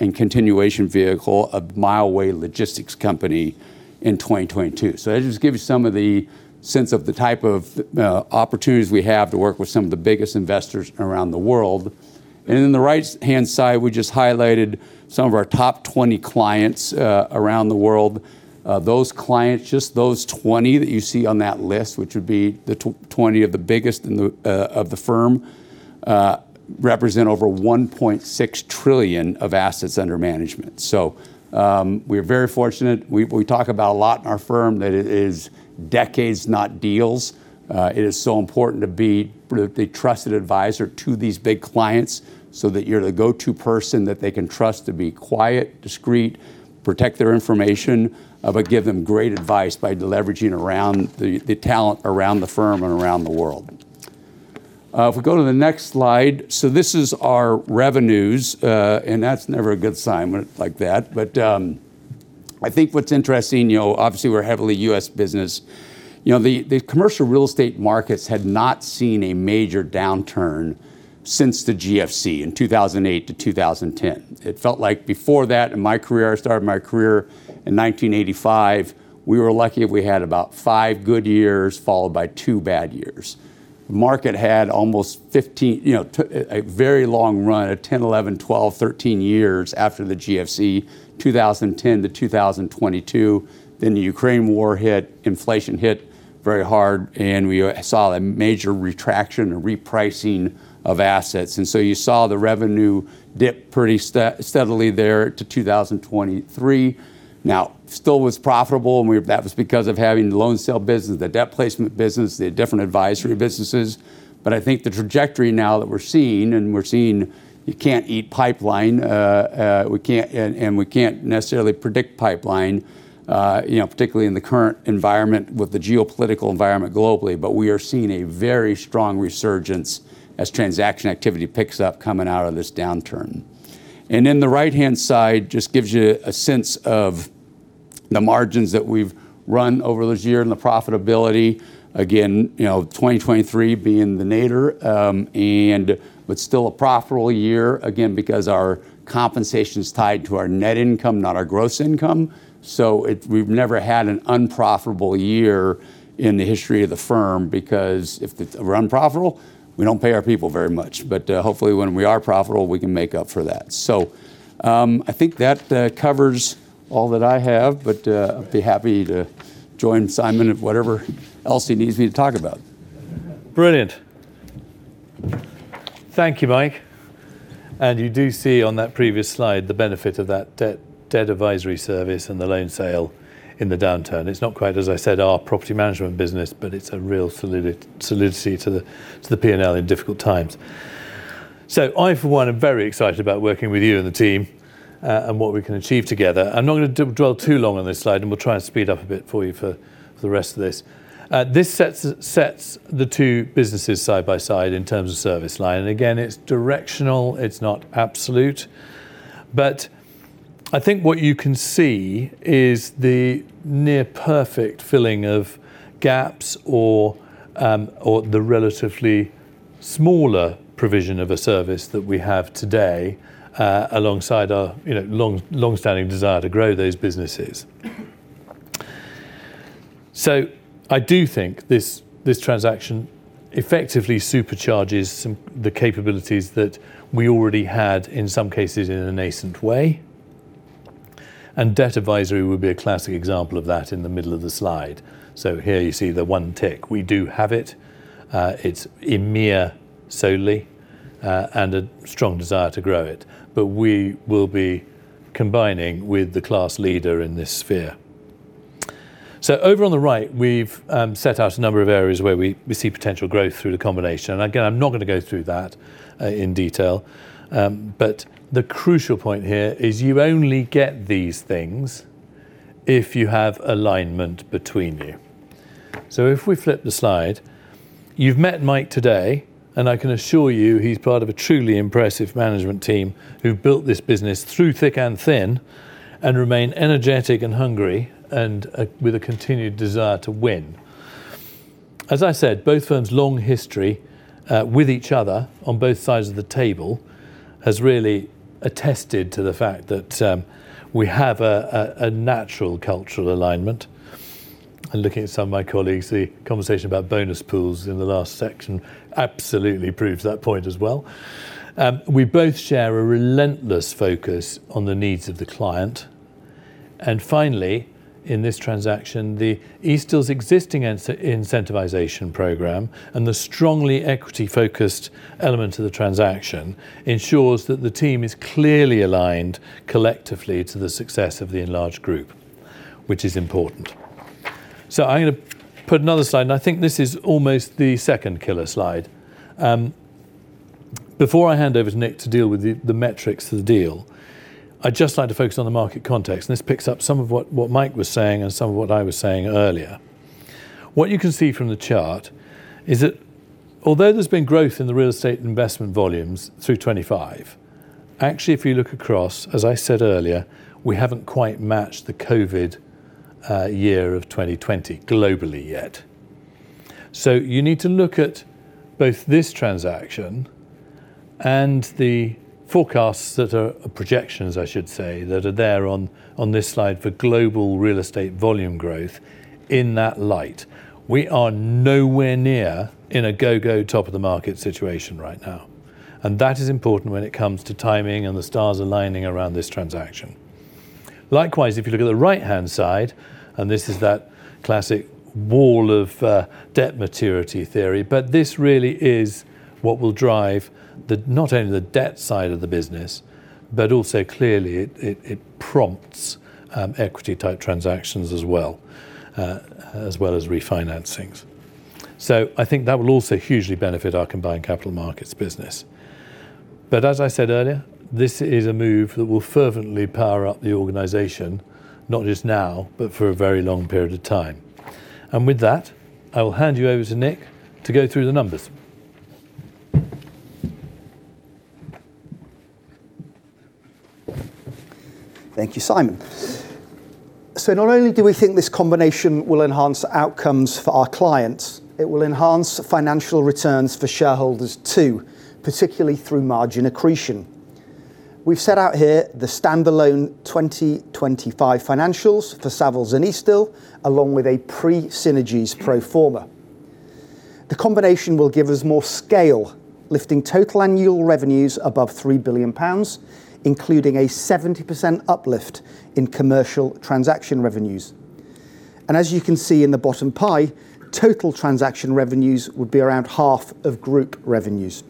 and continuation vehicle of Mileway logistics company in 2022. That just gives you some sense of the type of opportunities we have to work with some of the biggest investors around the world. In the right-hand side, we just highlighted some of our top 20 clients around the world. Those clients, just those 20 that you see on that list, which would be the 20 of the biggest in the of the firm, represent over 1.6 trillion of assets under management. We're very fortunate. We talk about a lot in our firm that it is decades not deals. It is so important to be the trusted advisor to these big clients so that you're the go-to person that they can trust to be quiet, discreet, protect their information, but give them great advice by leveraging around the talent around the firm and around the world. If we go to the next slide, so this is our revenues, and that's never a good sign when it's like that. I think what's interesting, you know, obviously we're heavily U.S. business. You know, the commercial real estate markets had not seen a major downturn since the GFC in 2008 to 2010. It felt like before that in my career, I started my career in 1985, we were lucky if we had about five good years followed by two bad years. The market had almost 15. You know, a very long run at 10, 11, 12, 13 years after the GFC, 2010 to 2022. Then the Ukraine war hit, inflation hit very hard, and we saw a major contraction and repricing of assets. You saw the revenue dip pretty steadily there to 2023. Now, it still was profitable, and that was because of having the loan sale business, the debt placement business, the different advisory businesses. I think the trajectory now that we're seeing, and we're seeing you can't eat pipeline, we can't necessarily predict pipeline, you know, particularly in the current environment with the geopolitical environment globally. We are seeing a very strong resurgence as transaction activity picks up coming out of this downturn. Then the right-hand side just gives you a sense of the margins that we've run over this year and the profitability. Again, you know, 2023 being the nadir, but still a profitable year, again, because our compensation's tied to our net income, not our gross income. We've never had an unprofitable year in the history of the firm, because if we're unprofitable, we don't pay our people very much. Hopefully, when we are profitable, we can make up for that. I think that covers all that I have, but I'd be happy to join Simon if whatever else he needs me to talk about. Brilliant. Thank you, Mike. You do see on that previous slide the benefit of that debt advisory service and the loan sale in the downturn. It's not quite, as I said, our property management business, but it's a real solidity to the P&L in difficult times. I, for one, am very excited about working with you and the team, and what we can achieve together. I'm not gonna dwell too long on this slide, and we'll try and speed up a bit for you for the rest of this. This sets the two businesses side by side in terms of service line. Again, it's directional, it's not absolute. I think what you can see is the near perfect filling of gaps or the relatively smaller provision of a service that we have today alongside our you know long-standing desire to grow those businesses. I do think this transaction effectively supercharges the capabilities that we already had in some cases in a nascent way. Debt advisory would be a classic example of that in the middle of the slide. Here you see the one tick. We do have it. It's EMEA solely and a strong desire to grow it. We will be combining with the class leader in this sphere. Over on the right we've set out a number of areas where we see potential growth through the combination. Again I'm not gonna go through that in detail. The crucial point here is you only get these things if you have alignment between you. If we flip the slide, you've met Mike today, and I can assure you he's part of a truly impressive management team who've built this business through thick and thin and remain energetic and hungry and with a continued desire to win. As I said, both firms' long history with each other on both sides of the table has really attested to the fact that we have a natural cultural alignment. Looking at some of my colleagues, the conversation about bonus pools in the last section absolutely proves that point as well. We both share a relentless focus on the needs of the client. Finally, in this transaction, the Eastdil Secured's existing incentivization program and the strongly equity-focused element of the transaction ensures that the team is clearly aligned collectively to the success of the enlarged group, which is important. I'm gonna put another slide, and I think this is almost the second killer slide. Before I hand over to Nick to deal with the metrics of the deal, I'd just like to focus on the market context. This picks up some of what Mike was saying and some of what I was saying earlier. What you can see from the chart is that although there's been growth in the real estate investment volumes through 25, actually, if you look across, as I said earlier, we haven't quite matched the COVID year of 2020 globally yet. You need to look at both this transaction and the forecasts that are projections, I should say, that are there on this slide for global real estate volume growth in that light. We are nowhere near in a go-go top of the market situation right now, and that is important when it comes to timing and the stars aligning around this transaction. Likewise, if you look at the right-hand side, and this is that classic wall of debt maturity theory, but this really is what will drive the, not only the debt side of the business, but also clearly it prompts equity-type transactions as well as refinancings. I think that will also hugely benefit our combined capital markets business. As I said earlier, this is a move that will fervently power up the organization, not just now, but for a very long period of time. With that, I will hand you over to Nick to go through the numbers. Thank you, Simon. Not only do we think this combination will enhance outcomes for our clients, it will enhance financial returns for shareholders too, particularly through margin accretion. We've set out here the standalone 2025 financials for Savills and Eastdil, along with a pre-synergies pro forma. The combination will give us more scale, lifting total annual revenues above 3 billion pounds, including a 70% uplift in commercial transaction revenues. As you can see in the bottom pie, total transaction revenues would be around half of group revenues.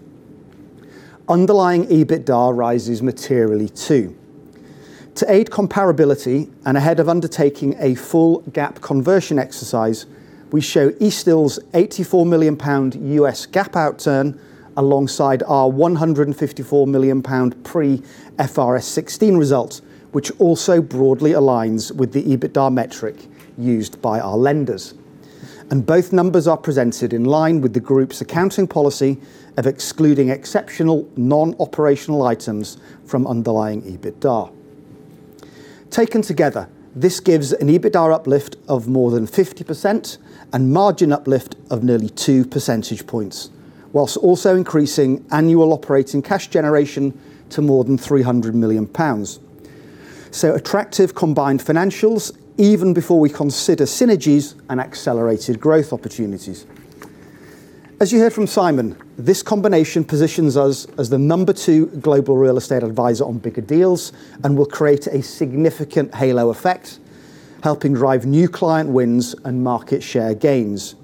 Underlying EBITDA rises materially too. To aid comparability and ahead of undertaking a full GAAP conversion exercise, we show Eastdil's 84 million pound US GAAP outturn alongside our 154 million pound pre IFRS 16 results, which also broadly aligns with the EBITDA metric used by our lenders. Both numbers are presented in line with the group's accounting policy of excluding exceptional non-operational items from underlying EBITDA. Taken together, this gives an EBITDA uplift of more than 50% and margin uplift of nearly 2 percentage points, while also increasing annual operating cash generation to more than 300 million pounds. Attractive combined financials even before we consider synergies and accelerated growth opportunities. As you heard from Simon, this combination positions us as the number two global real estate advisor on bigger deals and will create a significant halo effect, helping drive new client wins and market share gains.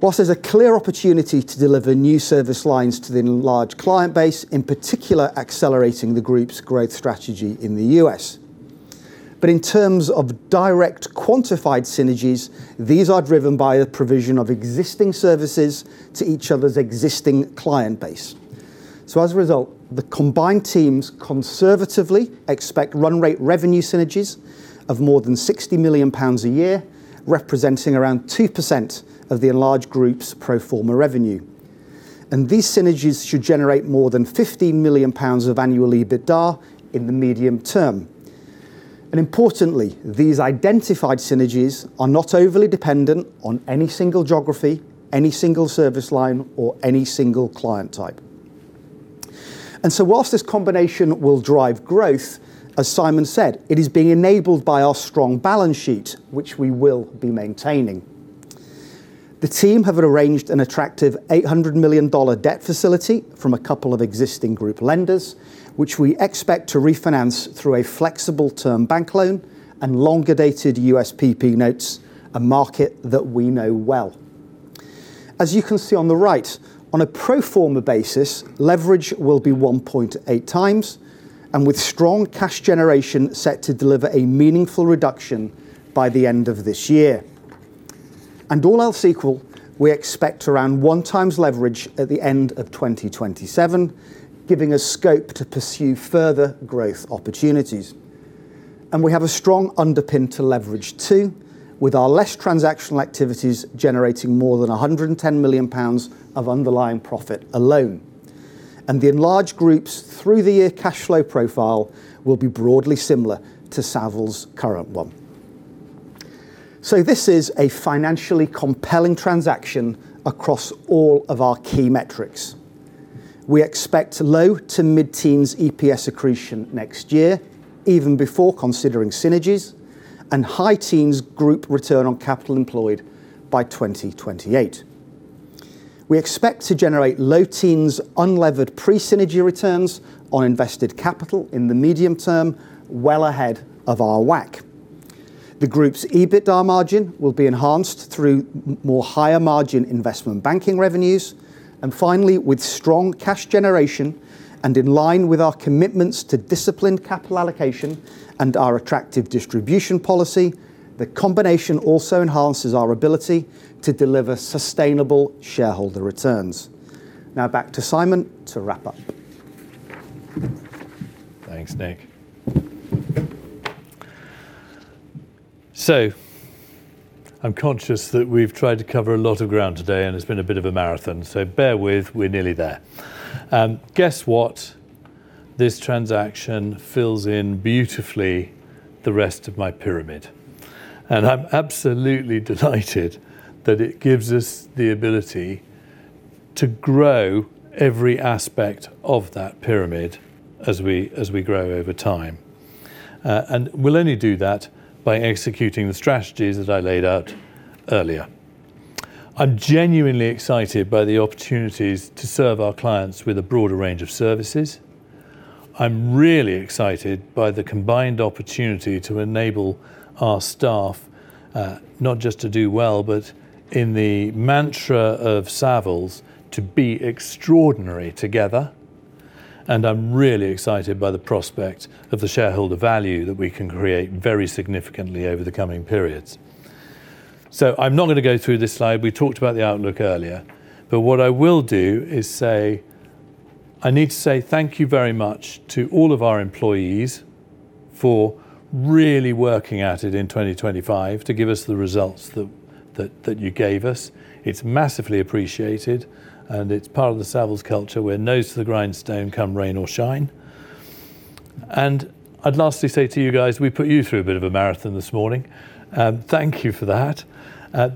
While there's a clear opportunity to deliver new service lines to the enlarged client base, in particular accelerating the group's growth strategy in the U.S. In terms of direct quantified synergies, these are driven by the provision of existing services to each other's existing client base. As a result, the combined teams conservatively expect run rate revenue synergies of more than 60 million pounds a year, representing around 2% of the enlarged group's pro forma revenue. These synergies should generate more than 15 million pounds of annual EBITDA in the medium term. Importantly, these identified synergies are not overly dependent on any single geography, any single service line or any single client type. While this combination will drive growth, as Simon said, it is being enabled by our strong balance sheet, which we will be maintaining. The team have arranged an attractive $800 million debt facility from a couple of existing group lenders, which we expect to refinance through a flexible term bank loan and longer-dated USPP notes, a market that we know well. As you can see on the right, on a pro forma basis, leverage will be 1.8x and with strong cash generation set to deliver a meaningful reduction by the end of this year. All else equal, we expect around 1x leverage at the end of 2027, giving us scope to pursue further growth opportunities. We have a strong underpin to leverage too, with our less transactional activities generating more than 110 million pounds of underlying profit alone. The enlarged group's through-the-year cash flow profile will be broadly similar to Savills' current one. This is a financially compelling transaction across all of our key metrics. We expect low- to mid-teens% EPS accretion next year, even before considering synergies and high-teens% group return on capital employed by 2028. We expect to generate low teens unlevered pre-synergy returns on invested capital in the medium term, well ahead of our WACC. The group's EBITDA margin will be enhanced through more higher margin investment banking revenues. Finally, with strong cash generation and in line with our commitments to disciplined capital allocation and our attractive distribution policy, the combination also enhances our ability to deliver sustainable shareholder returns. Now back to Simon to wrap up. Thanks, Nick. I'm conscious that we've tried to cover a lot of ground today, and it's been a bit of a marathon, so bear with, we're nearly there. Guess what? This transaction fills in beautifully the rest of my pyramid, and I'm absolutely delighted that it gives us the ability to grow every aspect of that pyramid as we grow over time. We'll only do that by executing the strategies that I laid out earlier. I'm genuinely excited by the opportunities to serve our clients with a broader range of services. I'm really excited by the combined opportunity to enable our staff, not just to do well, but in the mantra of Savills, to be extraordinary together. I'm really excited by the prospect of the shareholder value that we can create very significantly over the coming periods. I'm not going to go through this slide. We talked about the outlook earlier, but what I will do is say, I need to say thank you very much to all of our employees for really working at it in 2025 to give us the results that you gave us. It's massively appreciated, and it's part of the Savills culture where nose to the grindstone come rain or shine. I'd lastly say to you guys, we put you through a bit of a marathon this morning, thank you for that.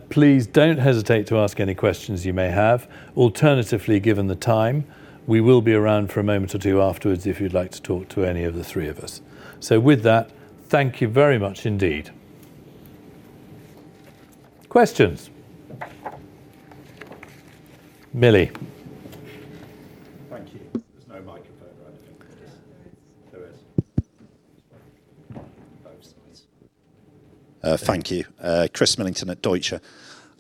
Please don't hesitate to ask any questions you may have. Alternatively, given the time, we will be around for a moment or two afterwards if you'd like to talk to any of the three of us. With that, thank you very much indeed. Questions. Millie. Thank you. There's no microphone. No, there is. There is. Both sides. Thank you. Chris Millington at Deutsche.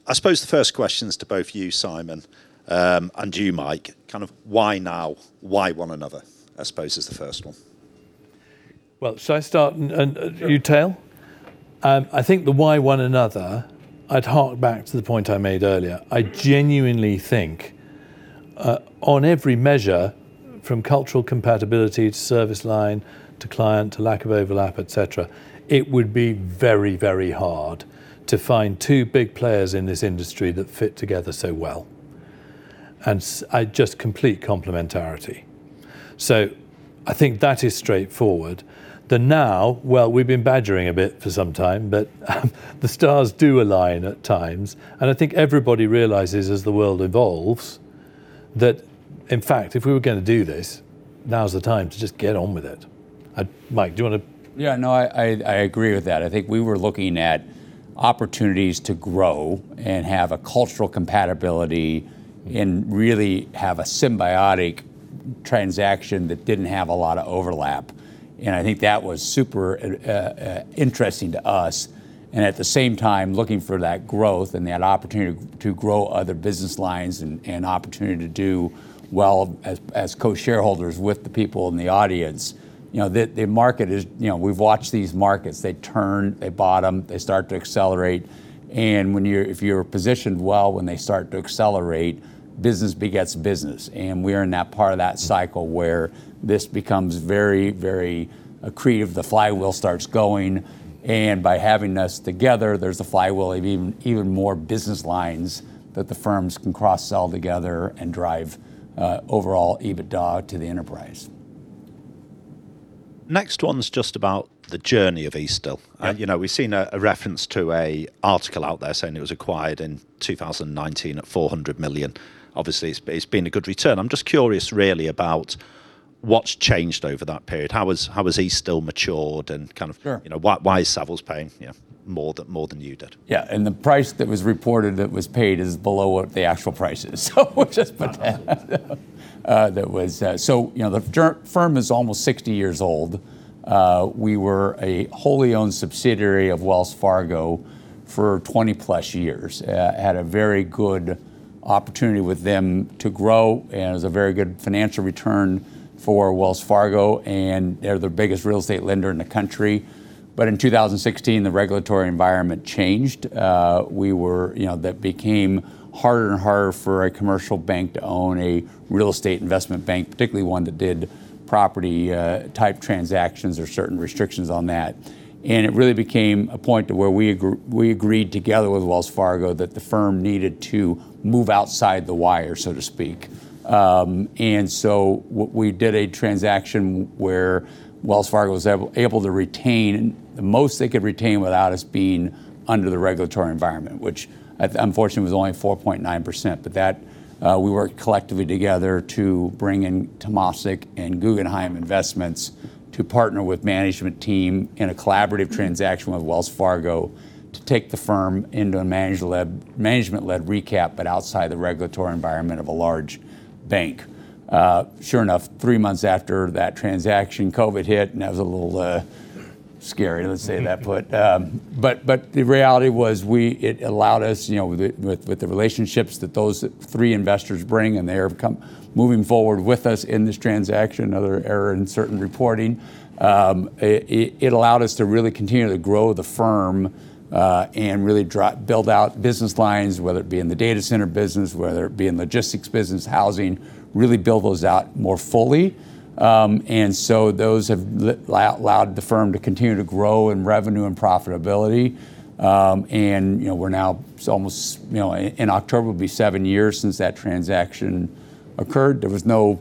I suppose the first question is to both you, Simon, and you, Mike. Kind of why now? Why one another, I suppose, is the first one. Well, shall I start and you tail? I think the why one another, I'd hark back to the point I made earlier. I genuinely think on every measure, from cultural compatibility to service line to client to lack of overlap, et cetera, it would be very, very hard to find two big players in this industry that fit together so well. Just complete complementarity. I think that is straightforward. The now, well, we've been badgering a bit for some time, but the stars do align at times, and I think everybody realizes as the world evolves that, in fact, if we were going to do this, now is the time to just get on with it. Mike, do you want to. Yeah, no, I agree with that. I think we were looking at opportunities to grow and have a cultural compatibility and really have a symbiotic transaction that didn't have a lot of overlap. I think that was super interesting to us, and at the same time, looking for that growth and that opportunity to grow other business lines and opportunity to do well as co-shareholders with the people in the audience. You know, the market is, you know, we've watched these markets. They turn, they bottom, they start to accelerate, and if you're positioned well when they start to accelerate, business begets business. We're in that part of that cycle where this becomes very, very accretive. The flywheel starts going, and by having us together, there's a flywheel of even more business lines that the firms can cross-sell together and drive overall EBITDA to the enterprise. Next one's just about the journey of Eastdil. Yeah. You know, we've seen a reference to an article out there saying it was acquired in 2019 at $400 million. Obviously, it's been a good return. I'm just curious really about what's changed over that period. How has Eastdil matured. Sure You know, why is Savills paying, you know, more than you did? Yeah, the price that was reported that was paid is below what the actual price is, so just put that out there. That was, you know, the firm is almost 60 years old. We were a wholly owned subsidiary of Wells Fargo for 20-plus years. Had a very good opportunity with them to grow and it was a very good financial return for Wells Fargo, and they're the biggest real estate lender in the country. In 2016, the regulatory environment changed. You know, that became harder and harder for a commercial bank to own a real estate investment bank, particularly one that did property type transactions. There are certain restrictions on that. It really became a point to where we agreed together with Wells Fargo that the firm needed to move outside the wire, so to speak. We did a transaction where Wells Fargo was able to retain the most they could retain without us being under the regulatory environment, which unfortunately was only 4.9%. We worked collectively together to bring in Temasek and Guggenheim Investments to partner with management team in a collaborative transaction with Wells Fargo to take the firm into a management-led recap, but outside the regulatory environment of a large bank. Sure enough, three months after that transaction, COVID hit, and it was a little. Sorry, let's say that, but the reality was it allowed us, you know, with the relationships that those three investors bring and they have come moving forward with us in this transaction, albeit in certain reporting, it allowed us to really continue to grow the firm, and really build out business lines, whether it be in the data center business, whether it be in logistics business, housing, really build those out more fully. Those have allowed the firm to continue to grow in revenue and profitability. You know, we're now almost, you know, in October will be seven years since that transaction occurred. There was no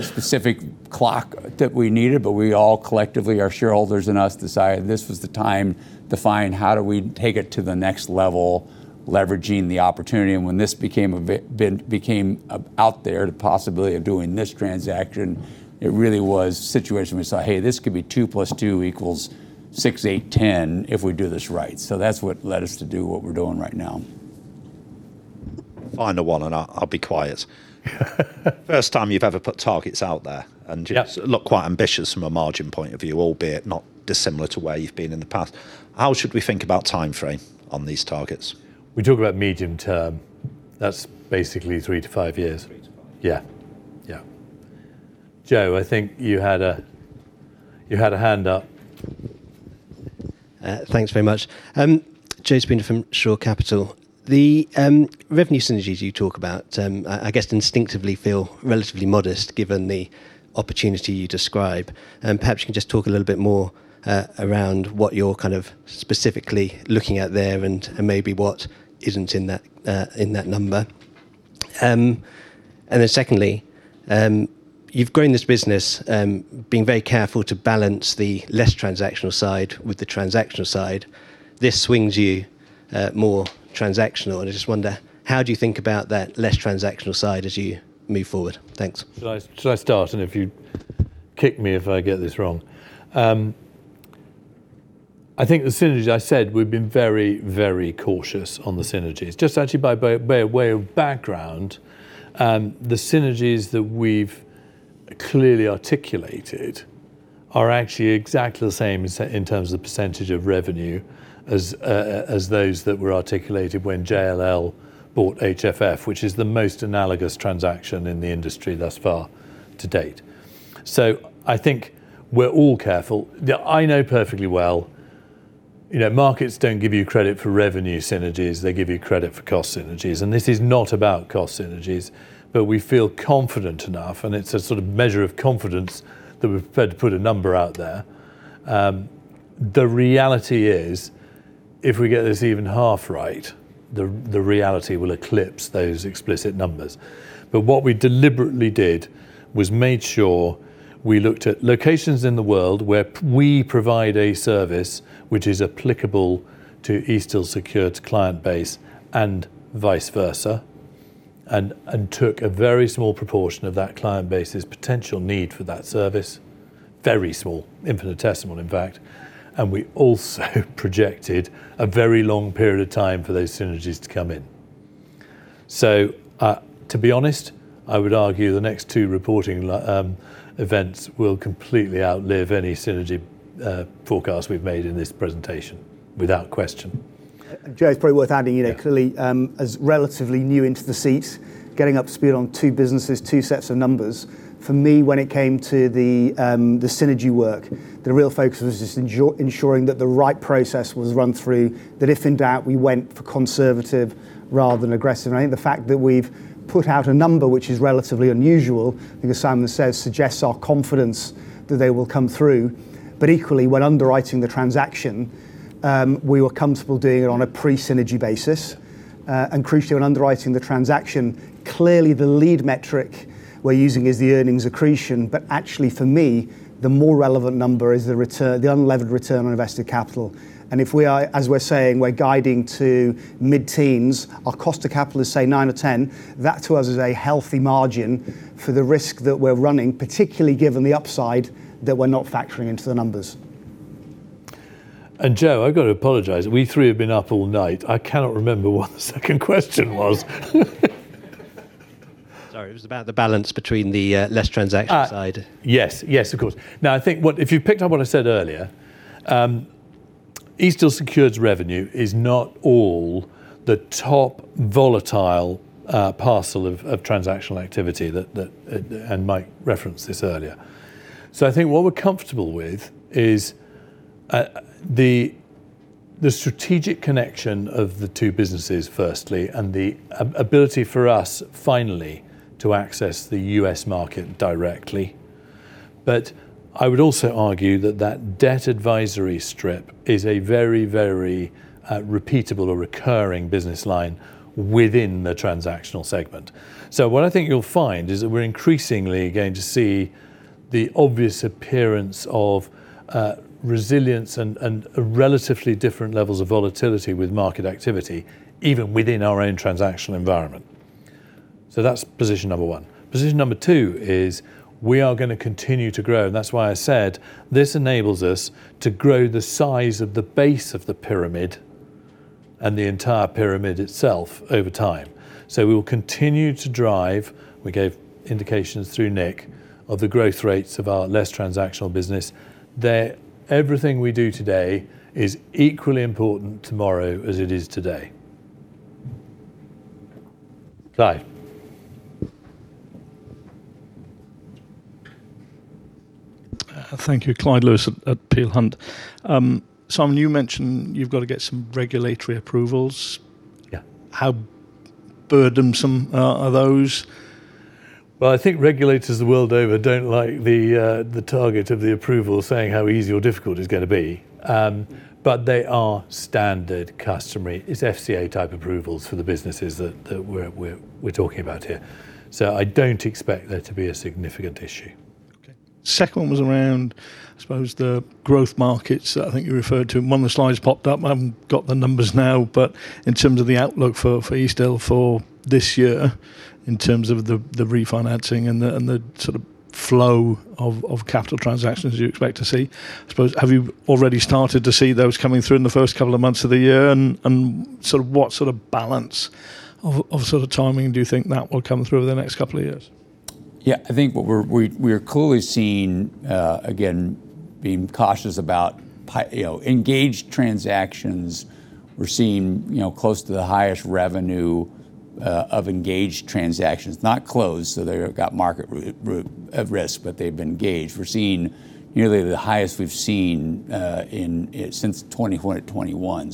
specific clock that we needed, but we all collectively, our shareholders and us, decided this was the time to find how do we take it to the next level, leveraging the opportunity. When this became available out there, the possibility of doing this transaction, it really was a situation we saw, "Hey, this could be 2 + 2 equals 6, 8, 10 if we do this right." That's what led us to do what we're doing right now. Final one, and I'll be quiet. First time you've ever put targets out there. Yep Look quite ambitious from a margin point of view, albeit not dissimilar to where you've been in the past. How should we think about timeframe on these targets? We talk about medium term. That's basically 3-5 years. 3-5 years. Yeah. Joe, I think you had a hand up. Thanks very much. Joe Spooner from Shore Capital. The revenue synergies you talk about, I guess instinctively feel relatively modest given the opportunity you describe. Perhaps you can just talk a little bit more around what you're kind of specifically looking at there and maybe what isn't in that number. Secondly, you've grown this business being very careful to balance the less transactional side with the transactional side. This swings you more transactional, and I just wonder how you think about that less transactional side as you move forward? Thanks. Should I start? If you kick me if I get this wrong. I think the synergies, I said we've been very cautious on the synergies. Just actually by way of background, the synergies that we've clearly articulated are actually exactly the same as in terms of percentage of revenue as those that were articulated when JLL bought HFF, which is the most analogous transaction in the industry thus far to date. I think we're all careful. I know perfectly well, you know, markets don't give you credit for revenue synergies, they give you credit for cost synergies. This is not about cost synergies, but we feel confident enough, and it's a sort of measure of confidence that we've had to put a number out there. The reality is, if we get this even half right, the reality will eclipse those explicit numbers. What we deliberately did was made sure we looked at locations in the world where we provide a service which is applicable to Eastdil Secured's client base and vice versa, and took a very small proportion of that client base's potential need for that service. Very small. Infinitesimal, in fact. We also projected a very long period of time for those synergies to come in. To be honest, I would argue the next two reporting events will completely outlive any synergy forecast we've made in this presentation, without question. Joe, it's probably worth adding, you know, clearly, as relatively new into the seat, getting up to speed on two businesses, two sets of numbers. For me, when it came to the synergy work, the real focus was just ensuring that the right process was run through, that if in doubt, we went for conservative rather than aggressive. I think the fact that we've put out a number which is relatively unusual, I think as Simon says, suggests our confidence that they will come through. Equally, when underwriting the transaction, we were comfortable doing it on a pre-synergy basis. Crucially when underwriting the transaction, clearly the lead metric we're using is the earnings accretion. Actually, for me, the more relevant number is the return, the unlevered return on invested capital. If we are, as we're saying, we're guiding to mid-teens%, our cost to capital is, say, 9% or 10%, that to us is a healthy margin for the risk that we're running, particularly given the upside that we're not factoring into the numbers. Joe, I've got to apologize. We three have been up all night. I cannot remember what the second question was. Sorry. It was about the balance between the less transactional side. Yes. Yes, of course. Now, I think if you picked up what I said earlier, Eastdil Secured's revenue is not all the top volatile parcel of transactional activity that and Mike referenced this earlier. I think what we're comfortable with is the strategic connection of the two businesses firstly, and the ability for us finally to access the U.S. market directly. I would also argue that debt advisory strip is a very repeatable or recurring business line within the transactional segment. What I think you'll find is that we're increasingly going to see the obvious appearance of resilience and a relatively different levels of volatility with market activity, even within our own transactional environment. That's position number one. Position number two is we are gonna continue to grow. That's why I said this enables us to grow the size of the base of the pyramid and the entire pyramid itself over time. We will continue to drive. We gave indications through Nick of the growth rates of our less transactional business, that everything we do today is equally important tomorrow as it is today. Clyde. Thank you. Clyde Lewis at Peel Hunt. Simon, you mentioned you've got to get some regulatory approvals. Yeah. How burdensome are those? Well, I think regulators the world over don't like the target of the approval saying how easy or difficult it's gonna be. They are standard customary. It's FCA type approvals for the businesses that we're talking about here. I don't expect there to be a significant issue. Okay. Second one was around, I suppose, the growth markets that I think you referred to. One of the slides popped up. I haven't got the numbers now, but in terms of the outlook for Eastdil for this year in terms of the refinancing and the sort of flow of Capital Transactions you expect to see. I suppose, have you already started to see those coming through in the first couple of months of the year, and sort of what sort of balance of sort of timing do you think that will come through over the next couple of years? Yeah. I think what we are clearly seeing, again, being cautious about, you know, engaged transactions. We're seeing, you know, close to the highest revenue of engaged transactions. Not closed, so they've got market risk, but they've engaged. We're seeing nearly the highest we've seen since 2020, peaked at 2021,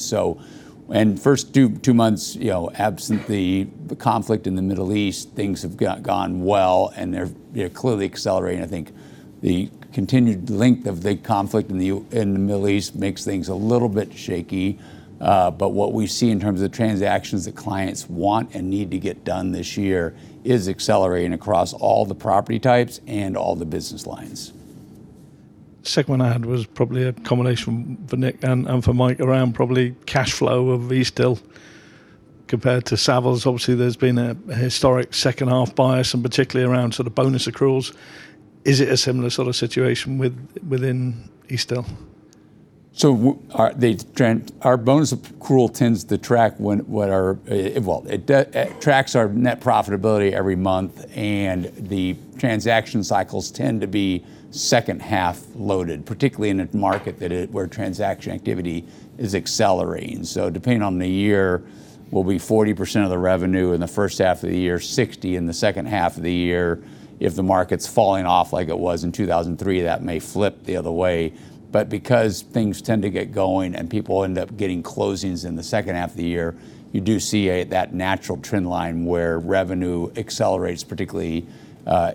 so. First two months, you know, absent the conflict in the Middle East, things have gone well and they're, you know, clearly accelerating. I think the continued length of the conflict in the Middle East makes things a little bit shaky. What we see in terms of transactions that clients want and need to get done this year is accelerating across all the property types and all the business lines. Second one I had was probably a combination for Nick and for Mike around probably cash flow of Eastdil compared to Savills. Obviously, there's been a historic second half bias, and particularly around sort of bonus accruals. Is it a similar sort of situation within Eastdil? Our bonus accrual tends to track our net profitability every month. The transaction cycles tend to be second half loaded, particularly in a market where transaction activity is accelerating. Depending on the year, it will be 40% of the revenue in the first half of the year, 60% in the second half of the year. If the market's falling off like it was in 2003, that may flip the other way. Things tend to get going and people end up getting closings in the second half of the year, so you do see that natural trend line where revenue accelerates, particularly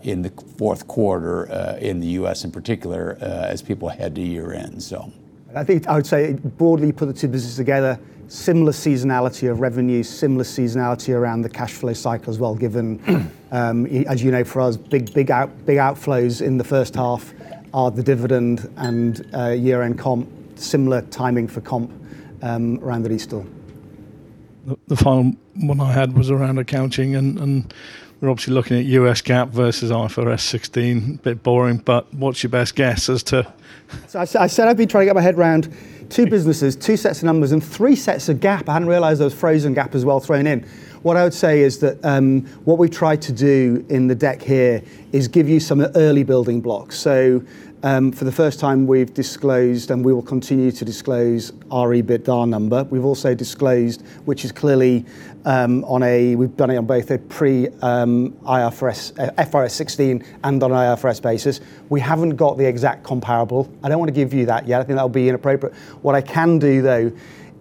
in the fourth quarter in the US in particular, as people head to year end. I think I would say broadly put the two businesses together, similar seasonality of revenue, similar seasonality around the cash flow cycle as well, given as you know, for us, big outflows in the first half are the dividend and year-end comp. Similar timing for comp around at Eastdil. The final one I had was around accounting and we're obviously looking at U.S. GAAP versus IFRS 16. A bit boring, but what's your best guess as to? I said I'd be trying to get my head around two businesses, two sets of numbers, and three sets of GAAP. I hadn't realized there was frozen GAAP as well thrown in. What I would say is that what we try to do in the deck here is give you some early building blocks. For the first time, we've disclosed, and we will continue to disclose, our EBITDA number. We've also disclosed, which is clearly on a pre-IFRS 16 and on an IFRS basis. We haven't got the exact comparable. I don't wanna give you that yet. I think that'll be inappropriate. What I can do, though,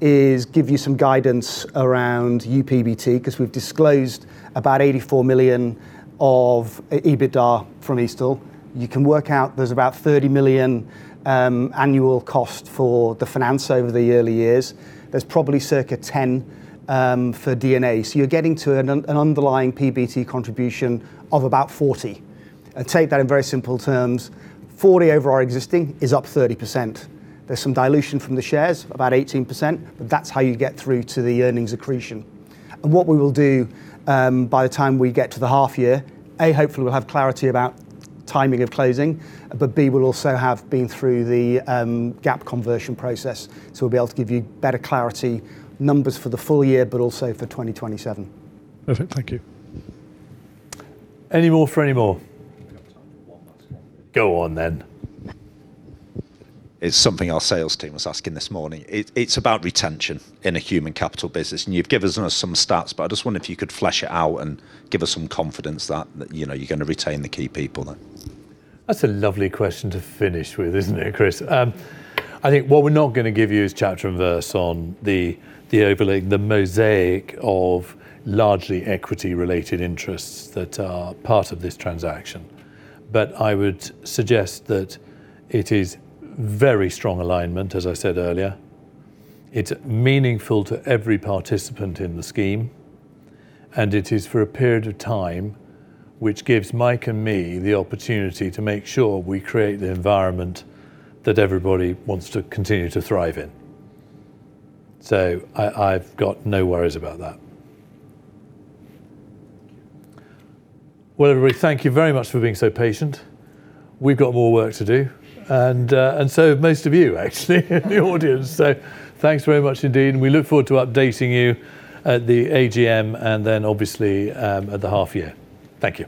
is give you some guidance around UPBT 'cause we've disclosed about $84 million of EBITDA from Eastdil. You can work out there's about 30 million annual cost for the finance over the early years. There's probably circa 10 million for D&A. You're getting to an underlying PBT contribution of about 40 million. Take that in very simple terms, 40 over our existing is up 30%. There's some dilution from the shares, about 18%. That's how you get through to the earnings accretion. What we will do, by the time we get to the half year, A, hopefully we'll have clarity about timing of closing, but B, we'll also have been through the GAAP conversion process, so we'll be able to give you better clarity numbers for the full year, but also for 2027. Perfect. Thank you. Any more? We've got time for one last one. Go on then. It's something our sales team was asking this morning. It's about retention in a human capital business. You've given us some stats, but I just wonder if you could flesh it out and give us some confidence that, you know, you're gonna retain the key people then. That's a lovely question to finish with, isn't it, Chris? I think what we're not gonna give you is chapter and verse on the overlay, the mosaic of largely equity related interests that are part of this transaction. I would suggest that it is very strong alignment, as I said earlier. It's meaningful to every participant in the scheme, and it is for a period of time which gives Mike and me the opportunity to make sure we create the environment that everybody wants to continue to thrive in. I've got no worries about that. Thank you. Well, everybody, thank you very much for being so patient. We've got more work to do, and so have most of you actually in the audience. Thanks very much indeed, and we look forward to updating you at the AGM and then obviously at the half year. Thank you.